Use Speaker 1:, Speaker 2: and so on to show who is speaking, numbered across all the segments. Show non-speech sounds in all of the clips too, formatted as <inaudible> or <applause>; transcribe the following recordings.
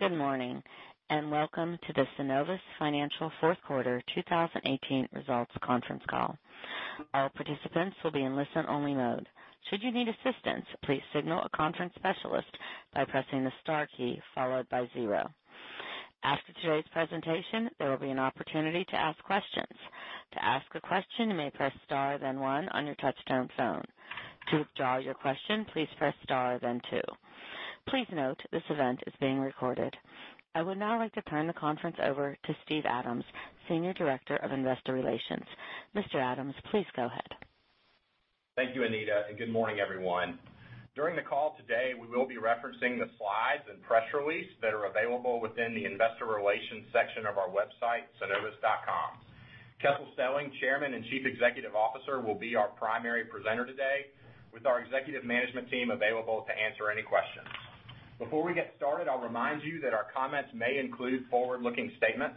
Speaker 1: Good morning, welcome to the Synovus Financial fourth quarter 2018 results conference call. All participants will be in listen only mode. Should you need assistance, please signal a conference specialist by pressing the star key followed by zero. After today's presentation, there will be an opportunity to ask questions. To ask a question, you may press star then one on your touchtone phone. To withdraw your question, please press star then two. Please note this event is being recorded. I would now like to turn the conference over to Steve Adams, Senior Director of Investor Relations. Mr. Adams, please go ahead.
Speaker 2: Thank you, Anita, good morning, everyone. During the call today, we will be referencing the slides and press release that are available within the investor relations section of our website, synovus.com. Kessel Stelling, Chairman and Chief Executive Officer, will be our primary presenter today with our executive management team available to answer any questions. Before we get started, I'll remind you that our comments may include forward-looking statements.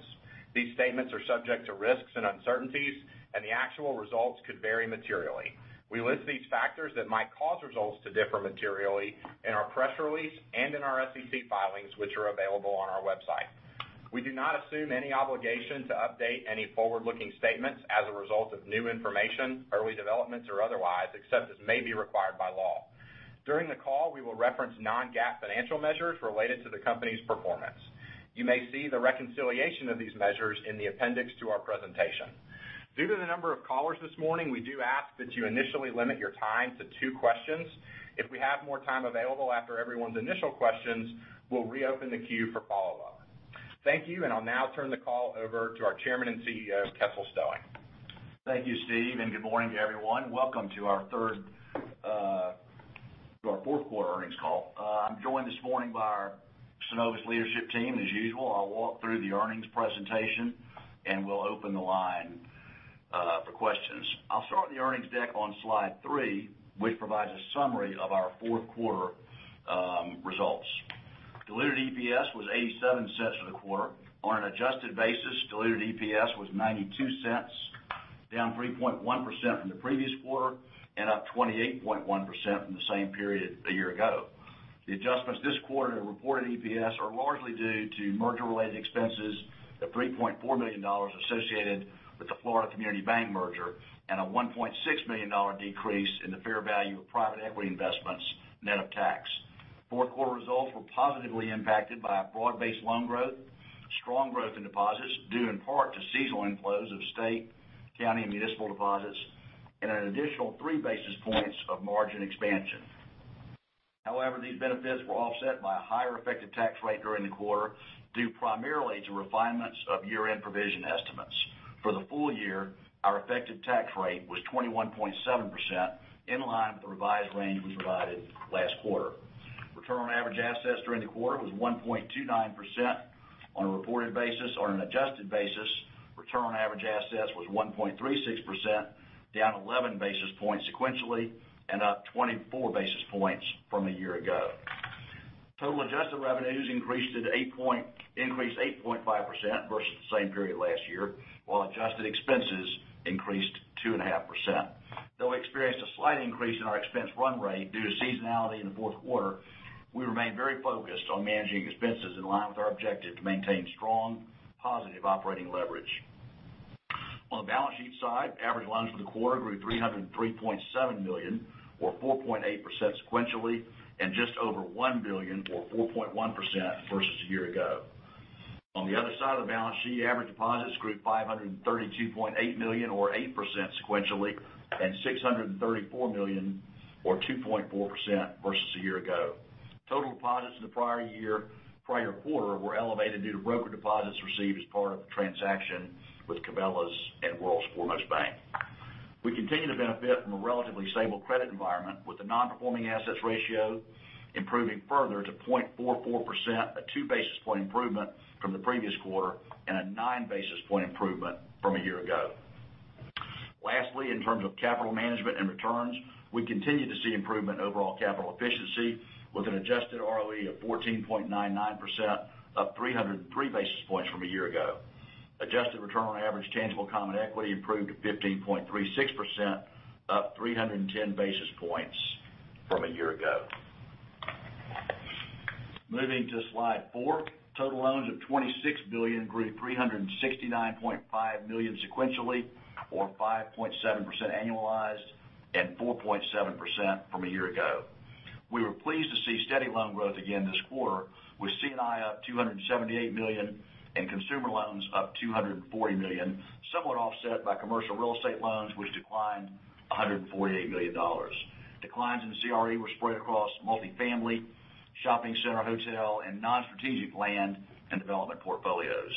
Speaker 2: These statements are subject to risks and uncertainties, the actual results could vary materially. We list these factors that might cause results to differ materially in our press release and in our SEC filings, which are available on our website. We do not assume any obligation to update any forward-looking statements as a result of new information, early developments, or otherwise, except as may be required by law. During the call, we will reference non-GAAP financial measures related to the company's performance. You may see the reconciliation of these measures in the appendix to our presentation. Due to the number of callers this morning, we do ask that you initially limit your time to two questions. If we have more time available after everyone's initial questions, we'll reopen the queue for follow-up. Thank you, I'll now turn the call over to our Chairman and CEO, Kessel Stelling.
Speaker 3: Thank you, Steve, good morning to everyone. Welcome to our fourth quarter earnings call. I'm joined this morning by our Synovus leadership team. As usual, I'll walk through the earnings presentation and we'll open the line for questions. I'll start the earnings deck on slide three, which provides a summary of our fourth quarter results. Diluted EPS was $0.87 for the quarter. On an adjusted basis, diluted EPS was $0.92, down 3.1% from the previous quarter and up 28.1% from the same period a year ago. The adjustments this quarter to reported EPS are largely due to merger-related expenses of $3.4 million associated with the Florida Community Bank merger and a $1.6 million decrease in the fair value of private equity investments net of tax. Fourth quarter results were positively impacted by a broad-based loan growth, strong growth in deposits due in part to seasonal inflows of state, county, and municipal deposits, and an additional three basis points of margin expansion. These benefits were offset by a higher effective tax rate during the quarter, due primarily to refinements of year-end provision estimates. For the full year, our effective tax rate was 21.7%, in line with the revised range we provided last quarter. Return on average assets during the quarter was 1.29% on a reported basis. On an adjusted basis, return on average assets was 1.36%, down 11 basis points sequentially and up 24 basis points from a year ago. Total adjusted revenues increased 8.5% versus the same period last year, while adjusted expenses increased 2.5%. Though we experienced a slight increase in our expense run rate due to seasonality in the fourth quarter, we remain very focused on managing expenses in line with our objective to maintain strong, positive operating leverage. On the balance sheet side, average loans for the quarter grew to $303.7 million, or 4.8% sequentially, and just over $1 billion or 4.1% versus a year ago. On the other side of the balance sheet, average deposits grew to $532.8 million or 8% sequentially and $634 million or 2.4% versus a year ago. Total deposits in the prior quarter were elevated due to broker deposits received as part of the transaction with Cabela's and World's Foremost Bank. We continue to benefit from a relatively stable credit environment with a non-performing assets ratio improving further to 0.44%, a two basis point improvement from the previous quarter and a nine basis point improvement from a year ago. Lastly, in terms of capital management and returns, we continue to see improvement in overall capital efficiency with an adjusted ROE of 14.99% up 303 basis points from a year ago. Adjusted return on average tangible common equity improved to 15.36% up 310 basis points from a year ago. Moving to slide four. Total loans of $26 billion grew to $369.5 million sequentially or 5.7% annualized and 4.7% from a year ago. We were pleased to see steady loan growth again this quarter with C&I up $278 million and consumer loans up $240 million, somewhat offset by commercial real estate loans, which declined $148 million. Declines in CRE were spread across multifamily, shopping center, hotel, and non-strategic land and development portfolios.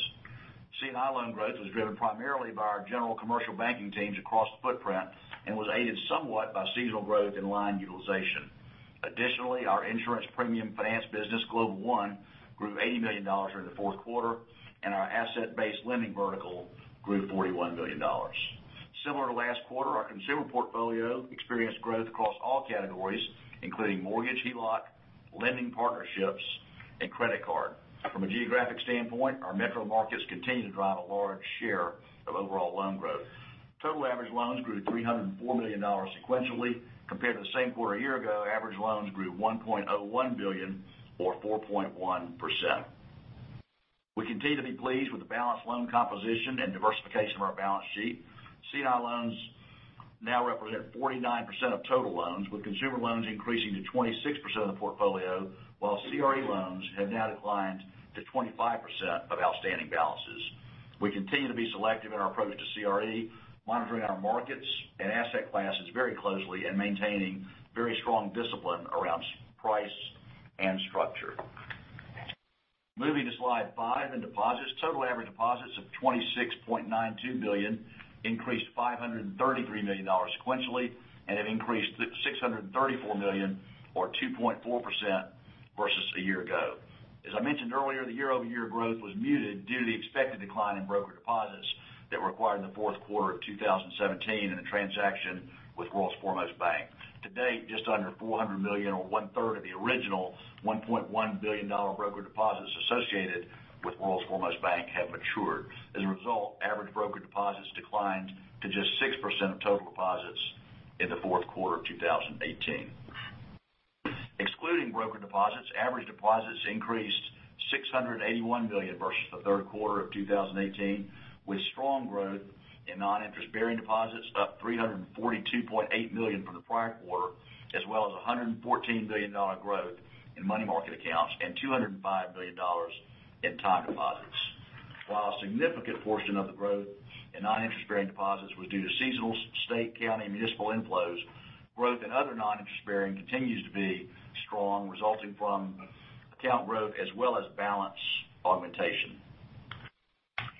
Speaker 3: C&I loan growth was driven primarily by our general commercial banking teams across the footprint and was aided somewhat by seasonal growth in line utilization. Additionally, our insurance premium finance business, Global One, grew $80 million during the fourth quarter, and our asset-based lending vertical grew to $41 million. Similar to last quarter, our consumer portfolio experienced growth across all categories, including mortgage, HELOC, lending partnerships, and credit card. From a geographic standpoint, our metro markets continue to drive a large share of overall loan growth. Total average loans grew to $304 million sequentially. Compared to the same quarter a year ago, average loans grew $1.01 billion, or 4.1%. We continue to be pleased with the balanced loan composition and diversification of our balance sheet. C&I loans now represent 49% of total loans, with consumer loans increasing to 26% of the portfolio, while CRE loans have now declined to 25% of outstanding balances. We continue to be selective in our approach to CRE, monitoring our markets and asset classes very closely and maintaining very strong discipline around price and structure. Moving to slide seven, in deposits, total average deposits of $26.92 billion increased $533 million sequentially and have increased to $634 million or 2.4% versus a year ago. As I mentioned earlier, the year-over-year growth was muted due to the expected decline in broker deposits that were acquired in the fourth quarter of 2017 in a transaction with World's Foremost Bank. To date, just under $400 million or one-third of the original $1.1 billion broker deposits associated with World's Foremost Bank have matured. As a result, average broker deposits declined to just 6% of total deposits in the fourth quarter of 2018. Excluding broker deposits, average deposits increased $681 million versus the third quarter of 2018, with strong growth in non-interest-bearing deposits, up $342.8 million from the prior quarter, as well as a $114 million growth in money market accounts and $205 million in time deposits. While a significant portion of the growth in non-interest-bearing deposits was due to seasonal, state, county, and municipal inflows, growth in other non-interest-bearing continues to be strong, resulting from account growth as well as balance augmentation.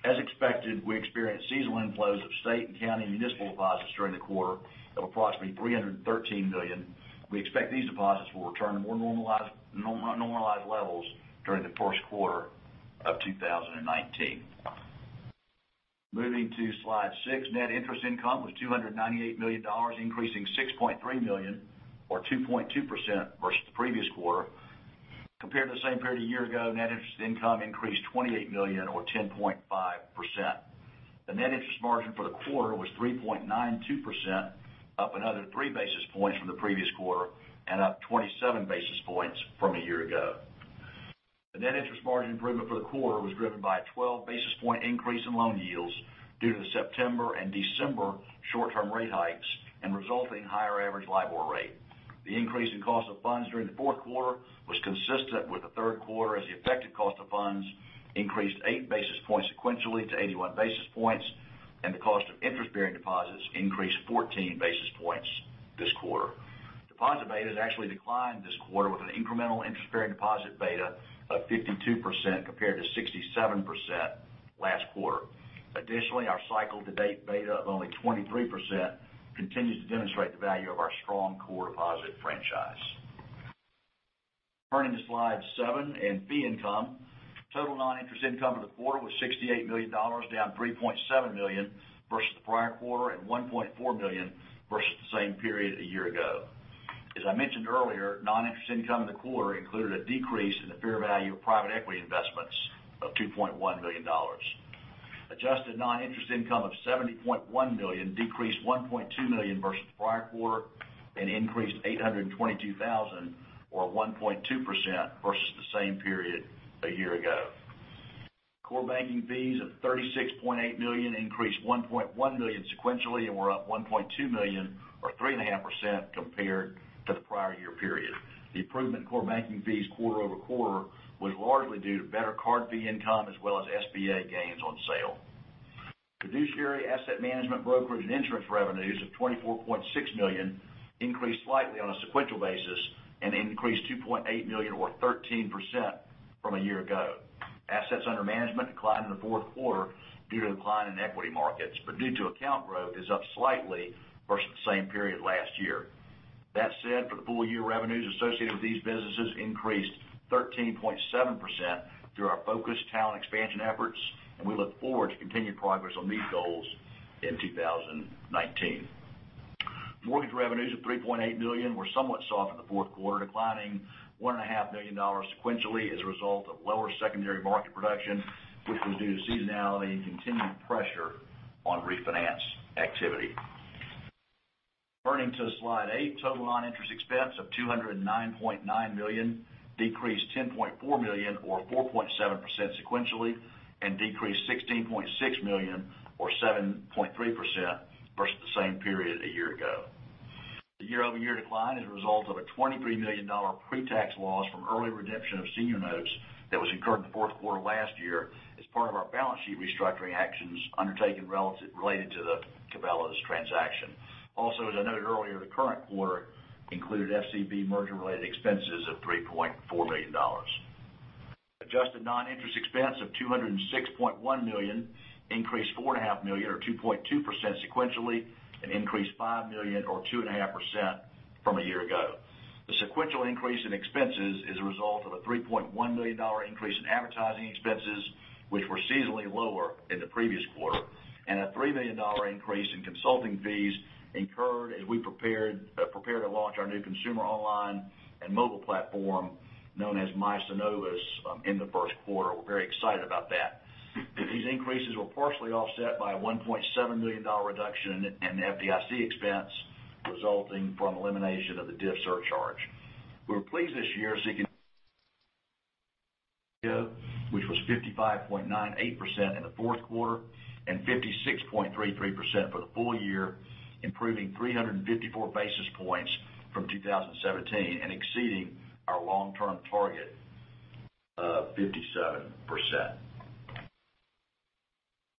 Speaker 3: As expected, we experienced seasonal inflows of state, county, and municipal deposits during the quarter of approximately $313 million. We expect these deposits will return to more normalized levels during the first quarter of 2019. Moving to slide six, net interest income was $298 million, increasing $6.3 million or 2.2% versus the previous quarter. Compared to the same period a year ago, net interest income increased $28 million or 10.5%. The net interest margin for the quarter was 3.92%, up another three basis points from the previous quarter and up 27 basis points from a year ago. The net interest margin improvement for the quarter was driven by a 12-basis point increase in loan yields due to the September and December short-term rate hikes and resulting higher average LIBOR rate. The increase in cost of funds during the fourth quarter was consistent with the third quarter, as the effective cost of funds increased eight basis points sequentially to 81 basis points, and the cost of interest-bearing deposits increased 14 basis points this quarter. Deposit beta has actually declined this quarter with an incremental interest-bearing deposit beta of 52%, compared to 67% last quarter. Additionally, our cycle-to-date beta of only 23% continues to demonstrate the value of our strong core deposit franchise. Turning to slide seven in fee income. Total non-interest income for the quarter was $68 million, down $3.7 million versus the prior quarter and $1.4 million versus the same period a year ago. As I mentioned earlier, non-interest income in the quarter included a decrease in the fair value of private equity investments of $2.1 million. Adjusted non-interest income of $70.1 million decreased $1.2 million versus the prior quarter and increased $822,000 or 1.2% versus the same period a year ago. Core banking fees of $36.8 million increased $1.1 million sequentially and were up $1.2 million or 3.5% compared to the prior year period. The improvement in core banking fees quarter-over-quarter was largely due to better card fee income as well as SBA gains on sale. Fiduciary asset management, brokerage, and insurance revenues of $24.6 million increased slightly on a sequential basis and increased $2.8 million or 13% from a year ago. Assets under management declined in the fourth quarter due to the decline in equity markets, but due to account growth is up slightly versus the same period last year. That said, for the full-year revenues associated with these businesses increased 13.7% through our focused talent expansion efforts, and we look forward to continued progress on these goals in 2019. Mortgage revenues of $3.8 million were somewhat soft in the fourth quarter, declining $1.5 million sequentially as a result of lower secondary market production, which was due to seasonality and continued pressure on refinance activity. Turning to slide eight, total non-interest expense of $209.9 million decreased $10.4 million or 4.7% sequentially and decreased $16.6 million or 7.3% versus the same period a year ago. The year-over-year decline is a result of a $23 million pre-tax loss from early redemption of senior notes that was incurred in the fourth quarter last year as part of our balance sheet restructuring actions undertaken related to the Cabela's transaction. As I noted earlier, the current quarter included FCB merger-related expenses of $3.4 million. Adjusted non-interest expense of $206.1 million increased $4.5 million or 2.2% sequentially and increased $5 million or 2.5% from a year ago. The sequential increase in expenses is a result of a $3.1 million increase in advertising expenses, which were seasonally lower in the previous quarter, and a $3 million increase in consulting fees incurred as we prepare to launch our new consumer online and mobile platform known as My Synovus in the first quarter. We're very excited about that. These increases were partially offset by a $1.7 million reduction in FDIC expense resulting from elimination of the DIF surcharge. We were pleased this year, seeking which was 55.98% in the fourth quarter and 56.33% for the full year, improving 354 basis points from 2017 and exceeding our long-term target of 57%.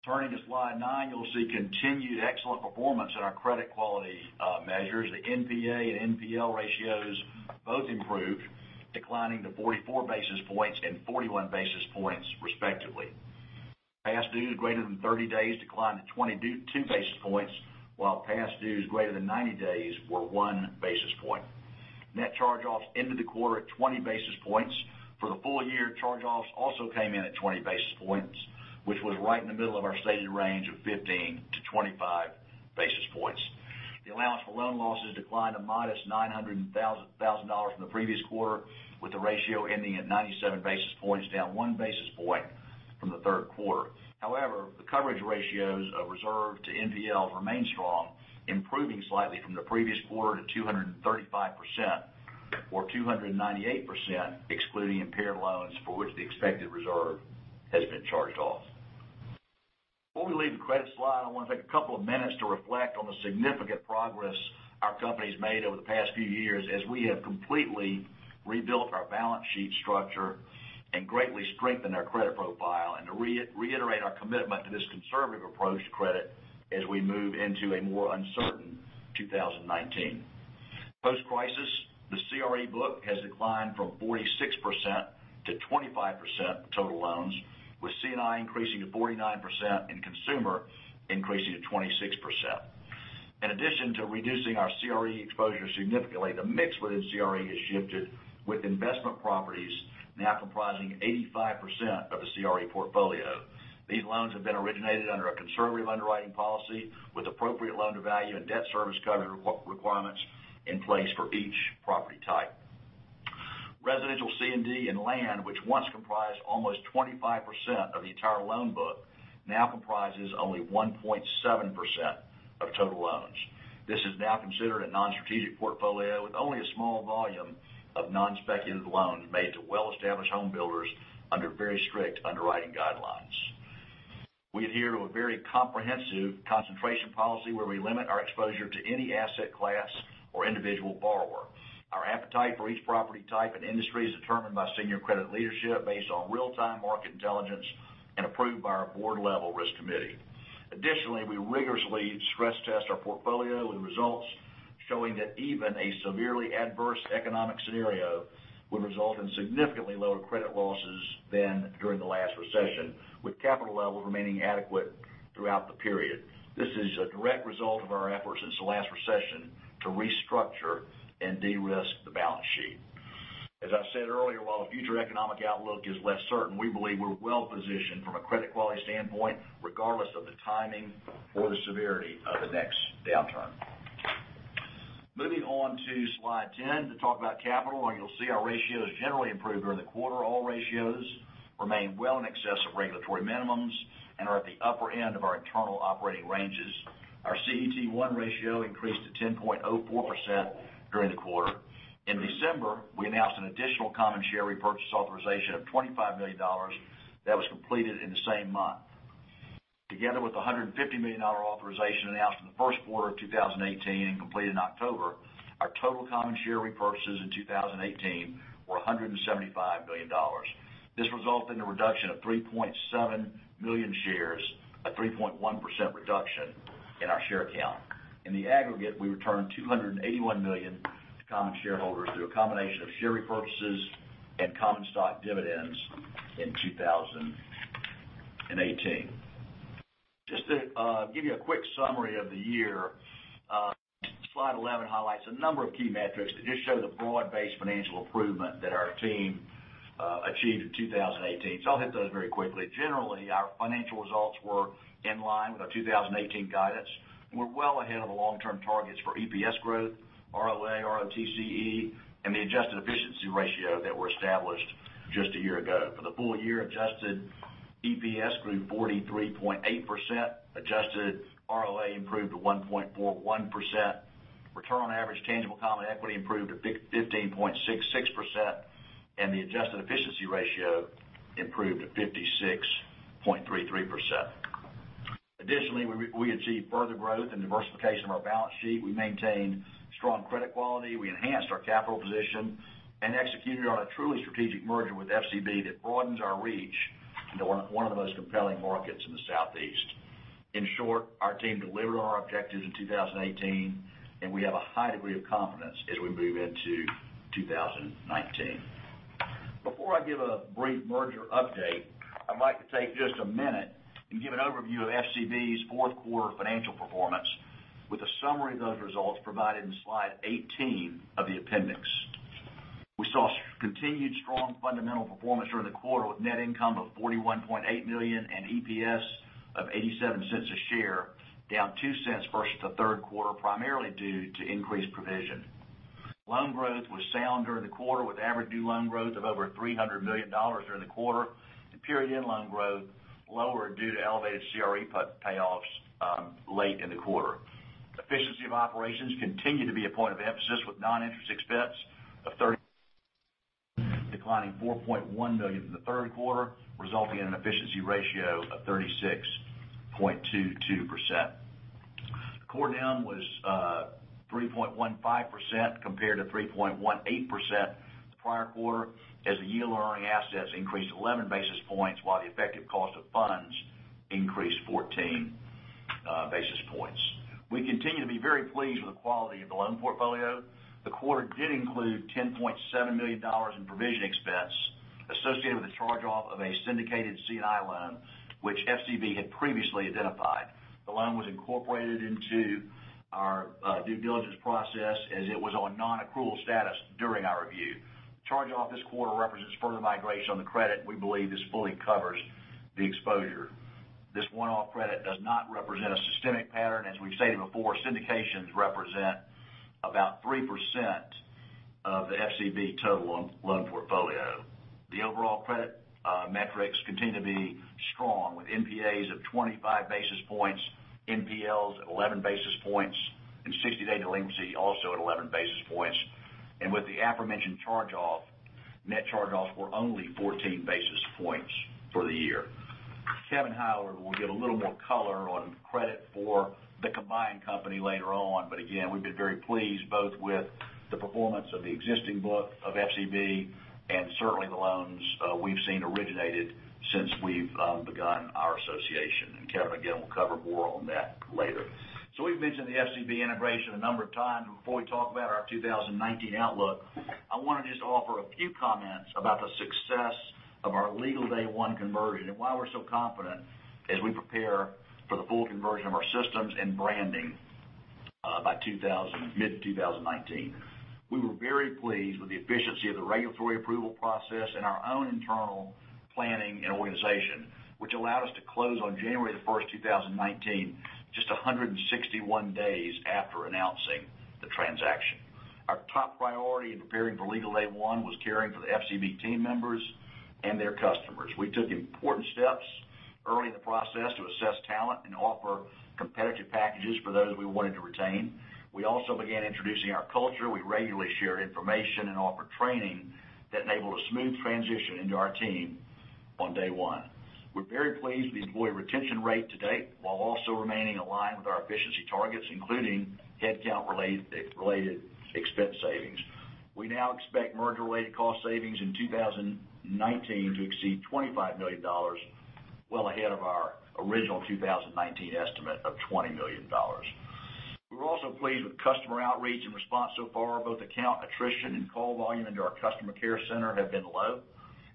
Speaker 3: Turning to slide nine, you'll see continued excellent performance in our credit quality measures. The NPA and NPL ratios both improved, declining to 44 basis points and 41 basis points respectively. Past dues greater than 30 days declined to 22 basis points, while past dues greater than 90 days were one basis point. Net charge-offs ended the quarter at 20 basis points. For the full year, charge-offs also came in at 20 basis points, which was right in the middle of our stated range of 15-25 basis points. The allowance for loan losses declined a modest $900,000 from the previous quarter, with the ratio ending at 97 basis points, down one basis point from the third quarter. The coverage ratios of reserve to NPL remain strong, improving slightly from the previous quarter to 235%, or 298%, excluding impaired loans for which the expected reserve has been charged off. Before we leave the credit slide, I want to take a couple of minutes to reflect on the significant progress our company's made over the past few years as we have completely rebuilt our balance sheet structure and greatly strengthened our credit profile, and to reiterate our commitment to this conservative approach to credit as we move into a more uncertain 2019. Post-crisis, the CRE book has declined from 46%-25% of total loans, with C&I increasing to 49% and consumer increasing to 26%. In addition to reducing our CRE exposure significantly, the mix within CRE has shifted, with investment properties now comprising 85% of the CRE portfolio. These loans have been originated under a conservative underwriting policy with appropriate loan-to-value and debt service coverage requirements in place for each property type. Residential C&D and land, which once comprised almost 25% of the entire loan book, now comprises only 1.7% of total loans. This is now considered a non-strategic portfolio with only a small volume of non-speculative loans made to well-established home builders under very strict underwriting guidelines. We adhere to a very comprehensive concentration policy where we limit our exposure to any asset class or individual borrower. Our appetite for each property type and industry is determined by senior credit leadership based on real-time market intelligence and approved by our board-level risk committee. Additionally, we rigorously stress-test our portfolio with results showing that even a severely adverse economic scenario would result in significantly lower credit losses than during the last recession, with capital levels remaining adequate throughout the period. This is a direct result of our efforts since the last recession to restructure and de-risk the balance sheet. As I said earlier, while the future economic outlook is less certain, we believe we're well-positioned from a credit quality standpoint, regardless of the timing or the severity of the next downturn. Moving on to slide 10 to talk about capital, where you'll see our ratios generally improved during the quarter. All ratios remain well in excess of regulatory minimums and are at the upper end of our internal operating ranges. Our CET1 ratio increased to 10.04% during the quarter. In December, we announced an additional common share repurchase authorization of $25 million that was completed in the same month. Together with the $150 million authorization announced in the first quarter of 2018 and completed in October, our total common share repurchases in 2018 were $175 million. This resulted in a reduction of 3.7 million shares, a 3.1% reduction in our share count. In the aggregate, we returned $281 million to common shareholders through a combination of share repurchases and common stock dividends in 2018. Just to give you a quick summary of the year, slide 11 highlights a number of key metrics that just show the broad-based financial improvement that our team achieved in 2018. I'll hit those very quickly. Generally, our financial results were in line with our 2018 guidance, and we're well ahead of the long-term targets for EPS growth, ROA, ROTCE, and the adjusted efficiency ratio that were established just a year ago. For the full year, adjusted EPS grew 43.8%, adjusted ROA improved to 1.41%, return on average tangible common equity improved to 15.66%, and the adjusted efficiency ratio improved to 56.33%. Additionally, we achieved further growth and diversification of our balance sheet. We maintained strong credit quality. We enhanced our capital position and executed on a truly strategic merger with FCB that broadens our reach into one of the most compelling markets in the Southeast. In short, our team delivered on our objectives in 2018, and we have a high degree of confidence as we move into 2019. Before I give a brief merger update, I'd like to take just a minute and give an overview of FCB's fourth quarter financial performance with a summary of those results provided in slide 18 of the appendix. We saw continued strong fundamental performance during the quarter with net income of $41.8 million and EPS of $0.87 a share, down $0.02 versus the third quarter, primarily due to increased provision. Loan growth was sound during the quarter with average new loan growth of over $300 million during the quarter. The period end loan growth lowered due to elevated CRE payoffs late in the quarter. Efficiency of operations continued to be a point of emphasis with non-interest expense declining $4.1 million from the third quarter, resulting in an efficiency ratio of 36.22%. Core NIM was 3.15% compared to 3.18% the prior quarter as the yield earning assets increased 11 basis points while the effective cost of funds increased 14 basis points. We continue to be very pleased with the quality of the loan portfolio. The quarter did include $10.7 million in provision expense associated with the charge-off of a syndicated C&I loan, which FCB had previously identified. The loan was incorporated into our due diligence process as it was on non-accrual status during our review. Charge-off this quarter represents further migration on the credit. We believe this fully covers the exposure. This one-off credit does not represent a systemic pattern. As we've stated before, syndications represent about 3% of the FCB total loan portfolio. The overall credit metrics continue to be strong with NPAs of 25 basis points, NPLs at 11 basis points, and 60-day delinquency also at 11 basis points. With the aforementioned charge-off, net charge-offs were only 14 basis points for the year. Kevin Howard will give a little more color on credit for the combined company later on. Again, we've been very pleased both with the performance of the existing book of FCB and certainly the loans we've seen originated since we've begun our association. Kevin, again, will cover more on that later. We've mentioned the FCB integration a number of times. Before we talk about our 2019 outlook, I want to just offer a few comments about the success of our legal day one conversion and why we're so confident as we prepare for the full conversion of our systems and branding by mid-2019. We were very pleased with the efficiency of the regulatory approval process and our own internal planning and organization, which allowed us to close on January the 1st, 2019, just 161 days after announcing the transaction. Our top priority in preparing for legal day one was caring for the FCB team members and their customers. We took important steps early in the process to assess talent and offer competitive packages for those we wanted to retain. We also began introducing our culture. We regularly share information and offer training that enabled a smooth transition into our team on day one. We're very pleased with the employee retention rate to date, while also remaining aligned with our efficiency targets, including headcount related expense savings. We now expect merger related cost savings in 2019 to exceed $25 million, well ahead of our original 2019 estimate of $20 million. We're also pleased with customer outreach and response so far. Both account attrition and call volume into our customer care center have been low,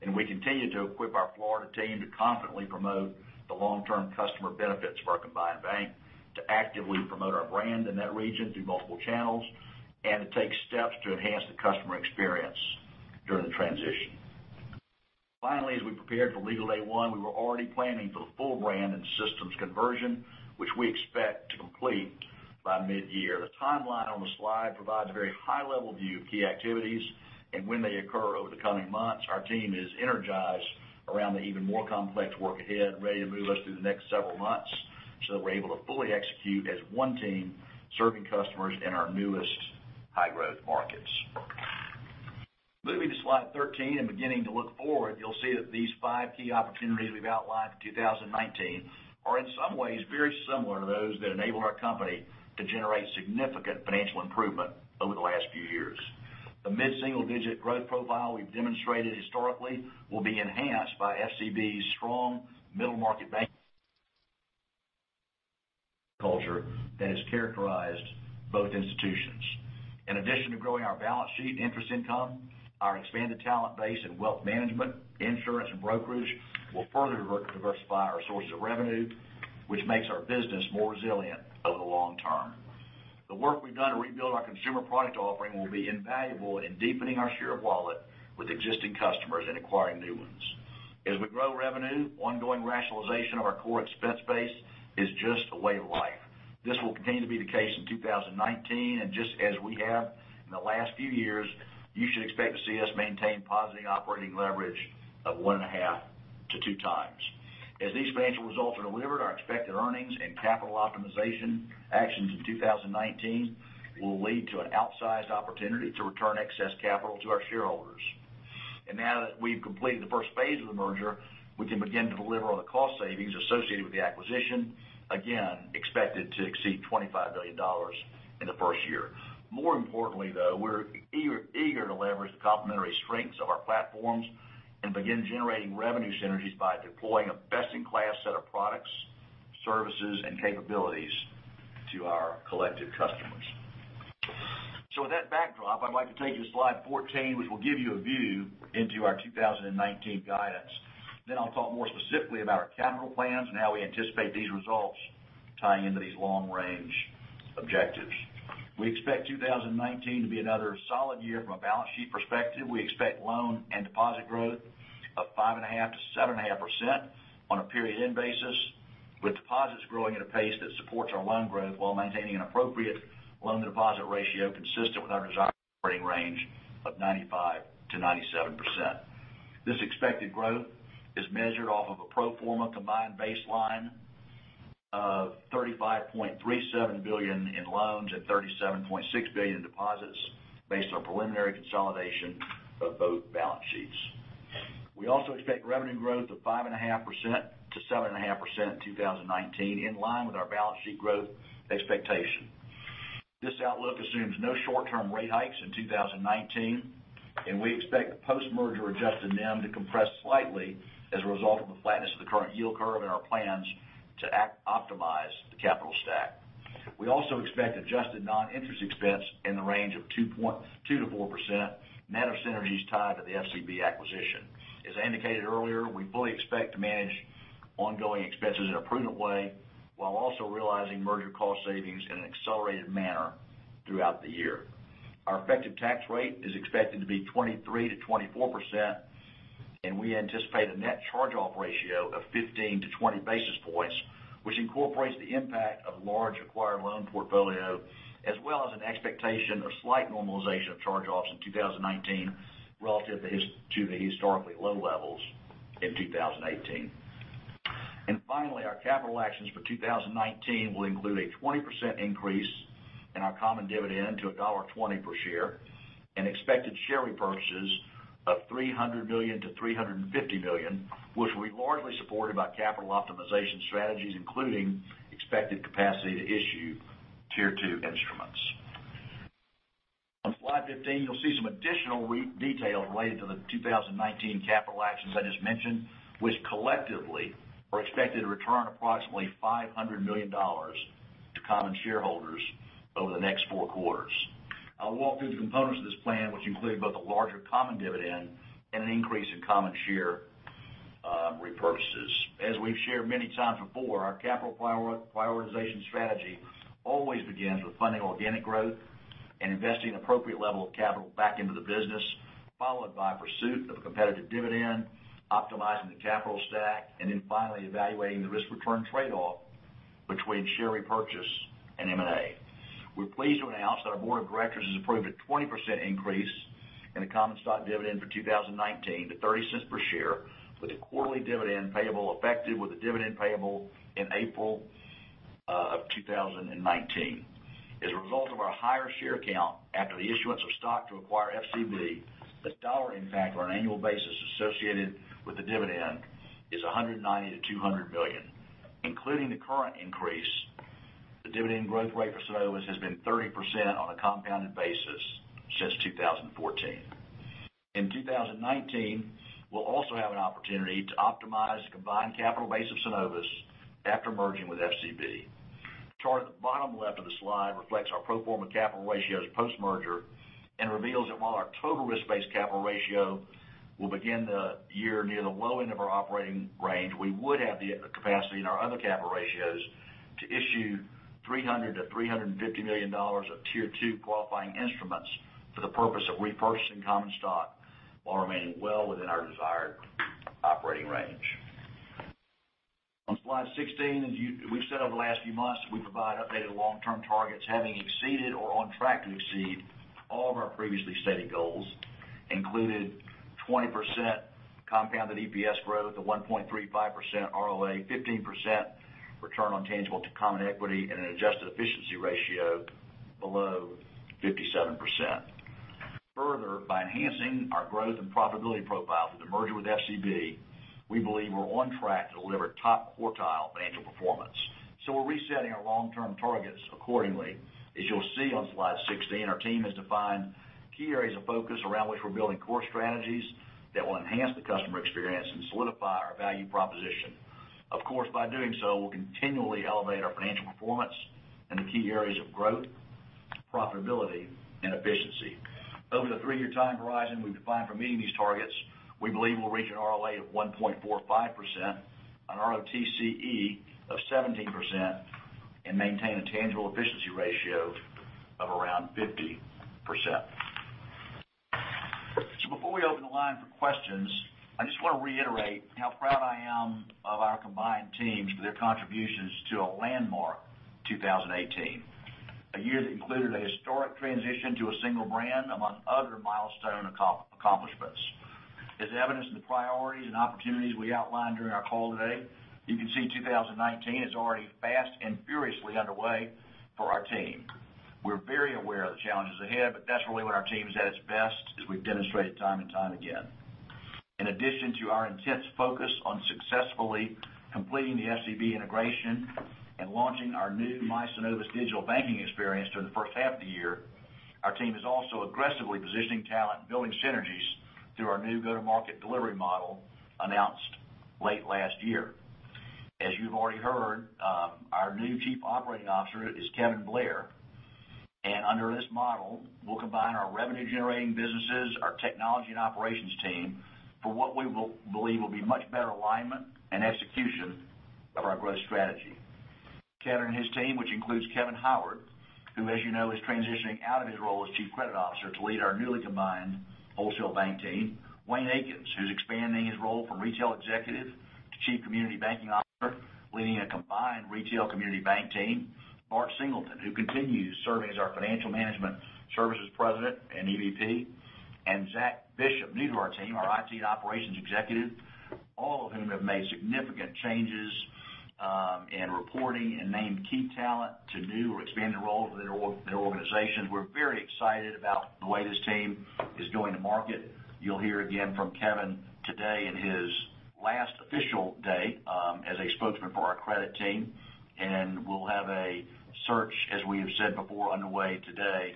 Speaker 3: and we continue to equip our Florida team to confidently promote the long-term customer benefits of our combined bank, to actively promote our brand in that region through multiple channels, and to take steps to enhance the customer experience during the transition. Finally, as we prepared for legal day one, we were already planning for the full brand and systems conversion, which we expect to complete by mid-year. The timeline on the slide provides a very high-level view of key activities and when they occur over the coming months. Our team is energized around the even more complex work ahead, ready to move us through the next several months so that we're able to fully execute as one team serving customers in our newest high-growth markets. Moving to slide 13 and beginning to look forward, you'll see that these five key opportunities we've outlined for 2019 are in some ways very similar to those that enabled our company to generate significant financial improvement over the last few years. The mid-single-digit growth profile we've demonstrated historically will be enhanced by FCB's strong middle market bank culture that has characterized both institutions. In addition to growing our balance sheet interest income, our expanded talent base and wealth management, insurance, and brokerage will further diversify our sources of revenue, which makes our business more resilient over the long term. The work we've done to rebuild our consumer product offering will be invaluable in deepening our share of wallet with existing customers and acquiring new ones. As we grow revenue, ongoing rationalization of our core expense base is just a way of life. This will continue to be the case in 2019, and just as we have in the last few years, you should expect to see us maintain positive operating leverage of one and a half to 2x. As these financial results are delivered, our expected earnings and capital optimization actions in 2019 will lead to an outsized opportunity to return excess capital to our shareholders. Now that we've completed the first phase of the merger, we can begin to deliver on the cost savings associated with the acquisition, again, expected to exceed $25 million in the first year. More importantly, though, we're eager to leverage the complementary strengths of our platforms and begin generating revenue synergies by deploying a best-in-class set of products, services, and capabilities to our collective customers. With that backdrop, I'd like to take you to slide 14, which will give you a view into our 2019 guidance. I'll talk more specifically about our capital plans and how we anticipate these results tying into these long-range objectives. We expect 2019 to be another solid year from a balance sheet perspective. We expect loan and deposit growth of 5.5%-7.5% on a period end basis. With deposits growing at a pace that supports our loan growth while maintaining an appropriate loan deposit ratio consistent with our desired operating range of 95%-97%. This expected growth is measured off of a pro forma combined baseline of $35.37 billion in loans and $37.6 billion in deposits based on preliminary consolidation of both balance sheets. We also expect revenue growth of 5.5%-7.5% in 2019, in line with our balance sheet growth expectation. This outlook assumes no short-term rate hikes in 2019. We expect the post-merger adjusted NIM to compress slightly as a result of the flatness of the current yield curve and our plans to optimize the capital stack. We also expect adjusted non-interest expense in the range of 2%-4%, net of synergies tied to the FCB acquisition. As I indicated earlier, we fully expect to manage ongoing expenses in a prudent way while also realizing merger cost savings in an accelerated manner throughout the year. Our effective tax rate is expected to be 23%-24%. We anticipate a net charge-off ratio of 15-20 basis points, which incorporates the impact of large acquired loan portfolio, as well as an expectation of slight normalization of charge-offs in 2019 relative to the historically low levels in 2018. Finally, our capital actions for 2019 will include a 20% increase in our common dividend to $1.20 per share and expected share repurchases of $300 million-$350 million, which will be largely supported by capital optimization strategies, including expected capacity to issue Tier 2 instruments. On slide 15, you'll see some additional details related to the 2019 capital actions I just mentioned, which collectively are expected to return approximately $500 million to common shareholders over the next four quarters. I'll walk through the components of this plan, which include both a larger common dividend and an increase in common share repurchases. As we've shared many times before, our capital prioritization strategy always begins with funding organic growth and investing appropriate level of capital back into the business, followed by pursuit of a competitive dividend, optimizing the capital stack, and then finally evaluating the risk-return trade-off between share repurchase and M&A. We're pleased to announce that our board of directors has approved a 20% increase in the common stock dividend for 2019 to $0.30 per share, with a quarterly dividend payable effective with the dividend payable in April of 2019. As a result of our higher share count after the issuance of stock to acquire FCB, the dollar impact on an annual basis associated with the dividend is $190 million-$200 million. Including the current increase, the dividend growth rate for Synovus has been 30% on a compounded basis since 2014. In 2019, we'll also have an opportunity to optimize the combined capital base of Synovus after merging with FCB. The chart at the bottom left of the slide reflects our pro forma capital ratios post-merger and reveals that while our total risk-based capital ratio will begin the year near the low end of our operating range, we would have the capacity in our other capital ratios to issue $300 million-$350 million of Tier 2 qualifying instruments for the purpose of repurchasing common stock while remaining well within our desired operating range. On slide 16, as we've said over the last few months, we provide updated long-term targets, having exceeded or on track to exceed all of our previously stated goals, including 20% compounded EPS growth, a 1.35% ROA, 15% return on tangible to common equity, and an adjusted efficiency ratio below 57%. Further, by enhancing our growth and profitability profile through the merger with FCB, we believe we're on track to deliver top quartile financial performance. We're resetting our long-term targets accordingly. As you'll see on slide 16, our team has defined key areas of focus around which we're building core strategies that will enhance the customer experience and solidify our value proposition. Of course, by doing so, we'll continually elevate our financial performance in the key areas of growth, profitability, and efficiency. Over the three-year time horizon we've defined for meeting these targets, we believe we'll reach an ROA of 1.45%, an ROTCE of 17%, and maintain a tangible efficiency ratio of around 50%. Before we open the line for questions, I just want to reiterate how proud I am of our combined teams for their contributions to a landmark 2018, a year that included a historic transition to a single brand, among other milestone accomplishments. As evidence of the priorities and opportunities we outlined during our call today, you can see 2019 is already fast and furiously underway for our team. We're very aware of the challenges ahead, but that's really when our team is at its best, as we've demonstrated time and time again. In addition to our intense focus on successfully completing the FCB integration and launching our new My Synovus digital banking experience during the first half of the year, our team is also aggressively positioning talent and building synergies through our new go-to-market delivery model announced late last year. As you've already heard, our new Chief Operating Officer is Kevin Blair, and under this model, we'll combine our revenue-generating businesses, our technology and operations team for what we believe will be much better alignment and execution of our growth strategy. Kevin and his team, which includes Kevin Howard, who as you know is transitioning out of his role as Chief Credit Officer to lead our newly combined wholesale bank team. Wayne Akins, who's expanding his role from retail executive to Chief Community Banking Officer, leading a combined retail community bank team. Mark Singleton, who continues serving as our Financial Management Services President and EVP. Zach Bishop, new to our team, our IT and operations executive. All of whom have made significant changes in reporting and named key talent to new or expanded roles within their organizations. We're very excited about the way this team is going to market. You'll hear again from Kevin today in his last official day as a spokesman for our credit team. We'll have a search, as we have said before, underway today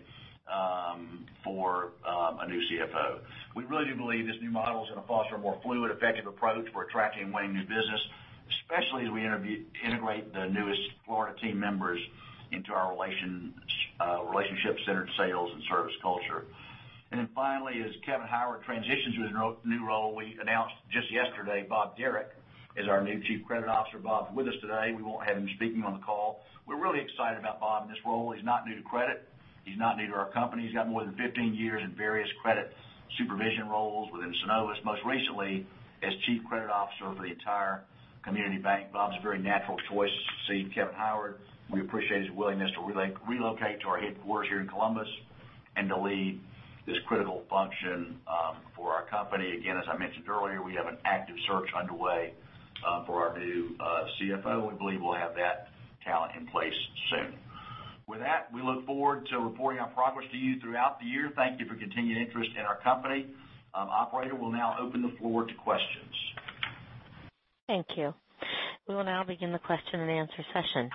Speaker 3: for a new CFO. We really do believe this new model is going to foster a more fluid, effective approach for attracting and winning new business, especially as we integrate the newest Florida team members into our relationship-centered sales and service culture. Finally, as Kevin Howard transitions to his new role, we announced just yesterday, Bob Derrick is our new Chief Credit Officer. Bob's with us today. We won't have him speaking on the call. We're really excited about Bob in this role. He's not new to credit. He's not new to our company. He's got more than 15 years in various credit supervision roles within Synovus, most recently as Chief Credit Officer for the entire community bank. Bob's a very natural choice to succeed Kevin Howard. We appreciate his willingness to relocate to our headquarters here in Columbus and to lead this critical function for our company. Again, as I mentioned earlier, we have an active search underway for our new CFO. We believe we'll have that talent in place soon. We look forward to reporting our progress to you throughout the year. Thank you for your continued interest in our company. Operator, we'll now open the floor to questions.
Speaker 1: Thank you. We will now begin the question and answer session.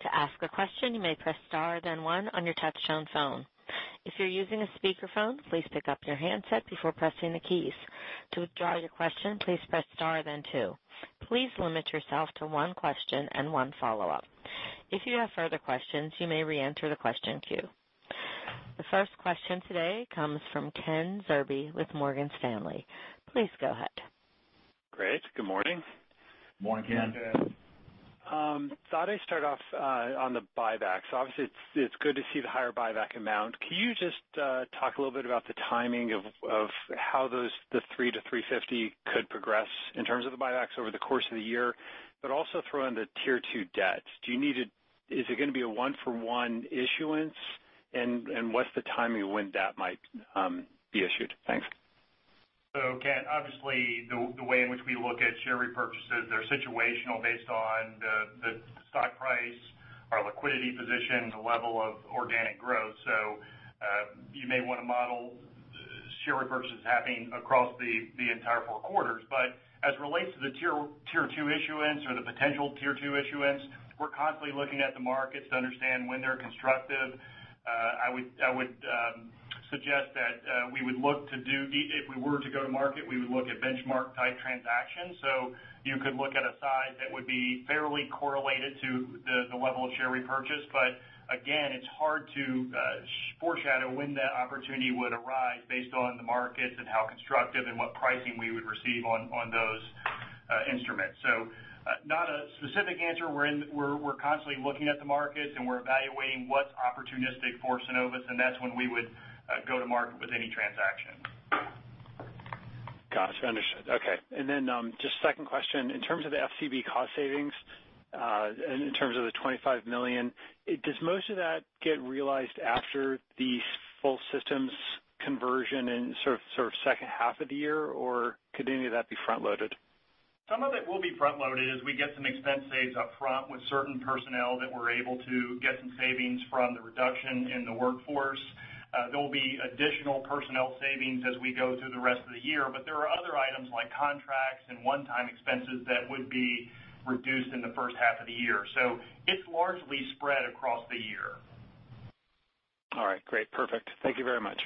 Speaker 1: To ask a question, you may press star then one on your touchtone phone. If you're using a speakerphone, please pick up your handset before pressing the keys. To withdraw your question, please press star then two. Please limit yourself to one question and one follow-up. If you have further questions, you may reenter the question queue. The first question today comes from Ken Zerbe with Morgan Stanley. Please go ahead.
Speaker 4: Great. Good morning.
Speaker 3: Morning, Ken.
Speaker 4: Thought I'd start off on the buybacks. Obviously, it's good to see the higher buyback amount. Can you just talk a little bit about the timing of how the $300-$350 could progress in terms of the buybacks over the course of the year, but also throw in the Tier 2 debt? Is it going to be a one for one issuance? What's the timing of when that might be issued? Thanks.
Speaker 5: Ken, obviously the way in which we look at share repurchases, they're situational based on the stock price, our liquidity position, the level of organic growth. You may want to model share repurchases happening across the entire four quarters. As it relates to the Tier 2 issuance or the potential Tier 2 issuance, we're constantly looking at the markets to understand when they're constructive. I would suggest that if we were to go to market, we would look at benchmark type transactions. You could look at a size that would be fairly correlated to the level of share repurchase. Again, it's hard to foreshadow when that opportunity would arise based on the markets and how constructive and what pricing we would receive on those instruments. Not a specific answer. We're constantly looking at the markets, and we're evaluating what's opportunistic for Synovus, and that's when we would go to market with any transaction.
Speaker 4: Got you. Understood. Okay. Just second question, in terms of the FCB cost savings, in terms of the $25 million, does most of that get realized after the full systems conversion in second half of the year, or could any of that be front-loaded?
Speaker 5: Some of it will be front-loaded as we get some expense saves up front with certain personnel that we're able to get some savings from the reduction in the workforce. There will be additional personnel savings as we go through the rest of the year. There are other items like contracts and one-time expenses that would be reduced in the first half of the year. It's largely spread across the year.
Speaker 4: All right, great. Perfect. Thank you very much.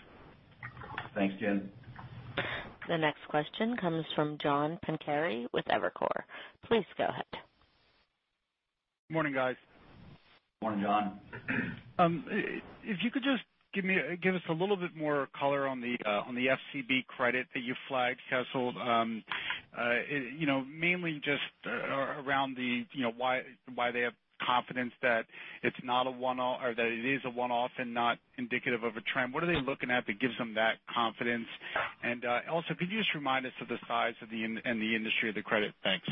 Speaker 3: Thanks, Ken.
Speaker 1: The next question comes from John Pancari with Evercore. Please go ahead.
Speaker 6: Morning, guys.
Speaker 3: Morning, John.
Speaker 6: If you could just give us a little bit more color on the FCB credit that you flagged, Kessel. Mainly just around why they have confidence that it is a one-off and not indicative of a trend. What are they looking at that gives them that confidence? Also, could you just remind us of the size and the industry of the credit? Thanks.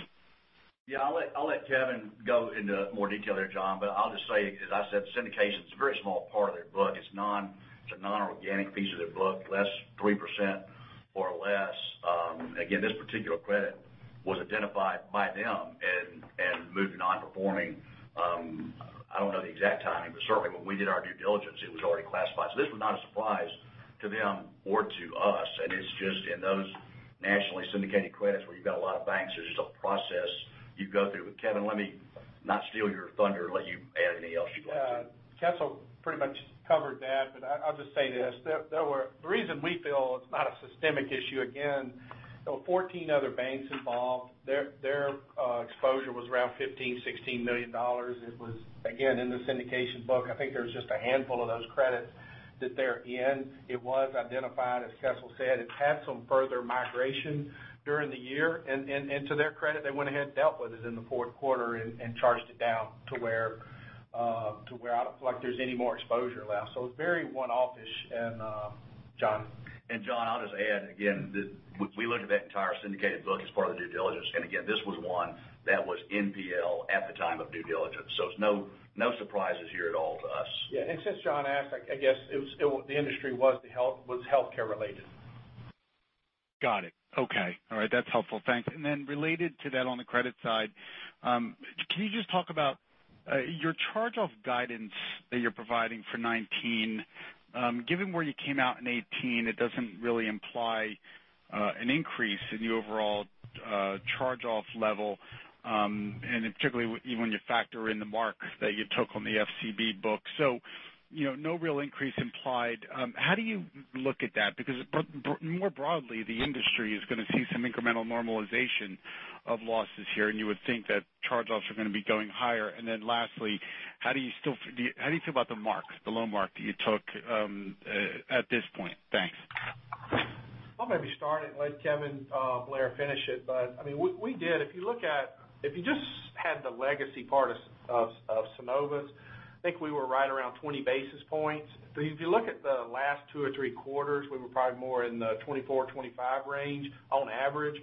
Speaker 3: Yeah, I'll let Kevin go into more detail there, John. I'll just say, as I said, syndication's a very small part of their book. It's a non-organic piece of their book, less 3% or less. This particular credit was identified by them and moved to non-performing. I don't know the exact timing, but certainly when we did our due diligence, it was already classified. This was not a surprise to them or to us, and it's just in those nationally syndicated credits where you've got a lot of banks, there's just a process you go through. Kevin, let me not steal your thunder, let you add anything else you'd like to.
Speaker 7: Kessel pretty much covered that. I'll just say this. The reason we feel it's not a systemic issue, there were 14 other banks involved. Their exposure was around $15 million-$16 million. It was in the syndication book. I think there's just a handful of those credits that they're in. It was identified, as Kessel said. It had some further migration during the year. To their credit, they went ahead and dealt with it in the fourth quarter and charged it down to where. To where I don't feel like there's any more exposure left. It's very one-off-ish. John?
Speaker 3: John, I'll just add again that we looked at that entire syndicated book as part of the due diligence, again, this was one that was NPL at the time of due diligence, it's no surprises here at all to us.
Speaker 7: Yeah, since John asked, I guess, the industry was healthcare related.
Speaker 6: Got it. Okay. All right, that's helpful. Thanks. Then related to that on the credit side, can you just talk about your charge-off guidance that you're providing for 2019? Given where you came out in 2018, it doesn't really imply an increase in the overall charge-off level, particularly when you factor in the mark that you took on the FCB book. No real increase implied. How do you look at that? Because more broadly, the industry is going to see some incremental normalization of losses here, you would think that charge-offs are going to be going higher. Then lastly, how do you feel about the mark, the loan mark that you took at this point? Thanks.
Speaker 3: I'll maybe start it and let Kevin Blair finish it. We did. If you just had the legacy part of Synovus, I think we were right around 20 basis points. If you look at the last two or three quarters, we were probably more in the 24 or 25 range on average.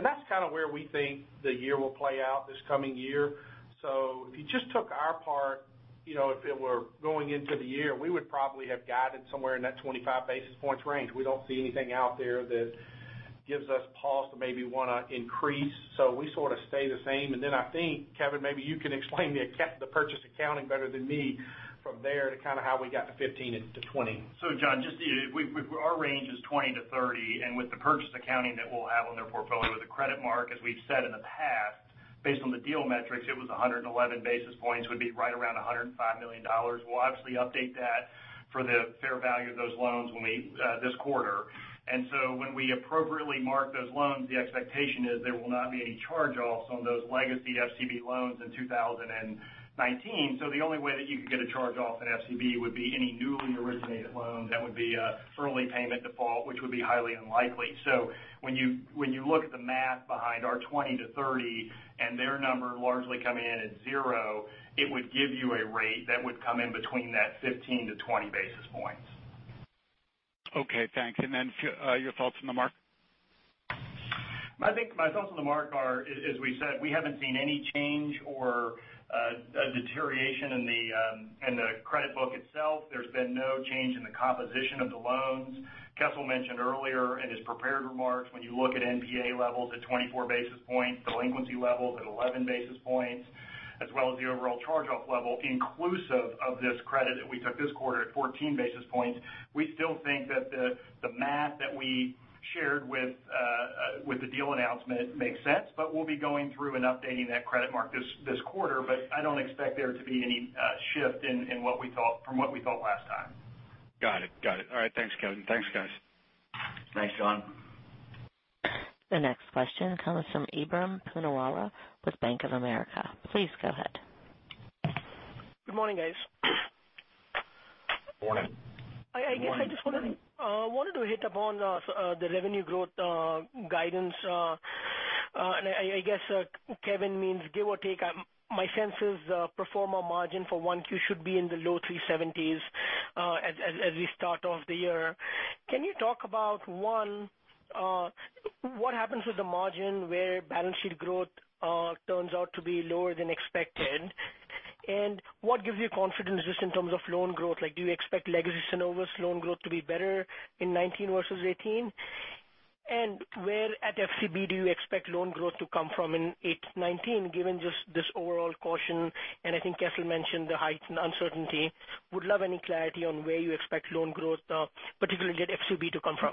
Speaker 3: That's kind of where we think the year will play out this coming year. If you just took our part, if it were going into the year, we would probably have guided somewhere in that 25 basis points range. We don't see anything out there that gives us pause to maybe want to increase. We sort of stay the same. Then I think, Kevin, maybe you can explain the purchase accounting better than me from there to kind of how we got to 15 and to 20.
Speaker 5: John, our range is 20 to 30, with the purchase accounting that we'll have on their portfolio, the credit mark, as we've said in the past, based on the deal metrics, it was 111 basis points, would be right around $105 million. We'll obviously update that for the fair value of those loans this quarter. When we appropriately mark those loans, the expectation is there will not be any charge-offs on those legacy FCB loans in 2019. The only way that you could get a charge-off at FCB would be any newly originated loan that would be an early payment default, which would be highly unlikely. When you look at the math behind our 20 to 30 and their number largely coming in at zero, it would give you a rate that would come in between that 15 to 20 basis points.
Speaker 6: Okay, thanks. Then your thoughts on the mark?
Speaker 5: My thoughts on the mark are, as we said, we haven't seen any change or a deterioration in the credit book itself. There's been no change in the composition of the loans. Kessel mentioned earlier in his prepared remarks, when you look at NPA levels at 24 basis points, delinquency levels at 11 basis points, as well as the overall charge-off level inclusive of this credit that we took this quarter at 14 basis points, we still think that the math that we shared with the deal announcement makes sense. We'll be going through and updating that credit mark this quarter, but I don't expect there to be any shift from what we thought last time.
Speaker 6: Got it. All right. Thanks, Kevin. Thanks, guys.
Speaker 3: Thanks, John.
Speaker 1: The next question comes from Ebrahim Poonawala with Bank of America. Please go ahead.
Speaker 8: Good morning, guys.
Speaker 3: Morning.
Speaker 5: Morning.
Speaker 8: I guess I just wanted to hit upon the revenue growth guidance. I guess Kevin means give or take. My sense is pro forma margin for 1Q should be in the low 370s as we start off the year. Can you talk about, one, what happens with the margin where balance sheet growth turns out to be lower than expected? What gives you confidence just in terms of loan growth? Do you expect legacy Synovus loan growth to be better in 2019 versus 2018? Where at FCB do you expect loan growth to come from in 2019, given just this overall caution? I think Kessel mentioned the heightened uncertainty. Would love any clarity on where you expect loan growth, particularly at FCB, to come from.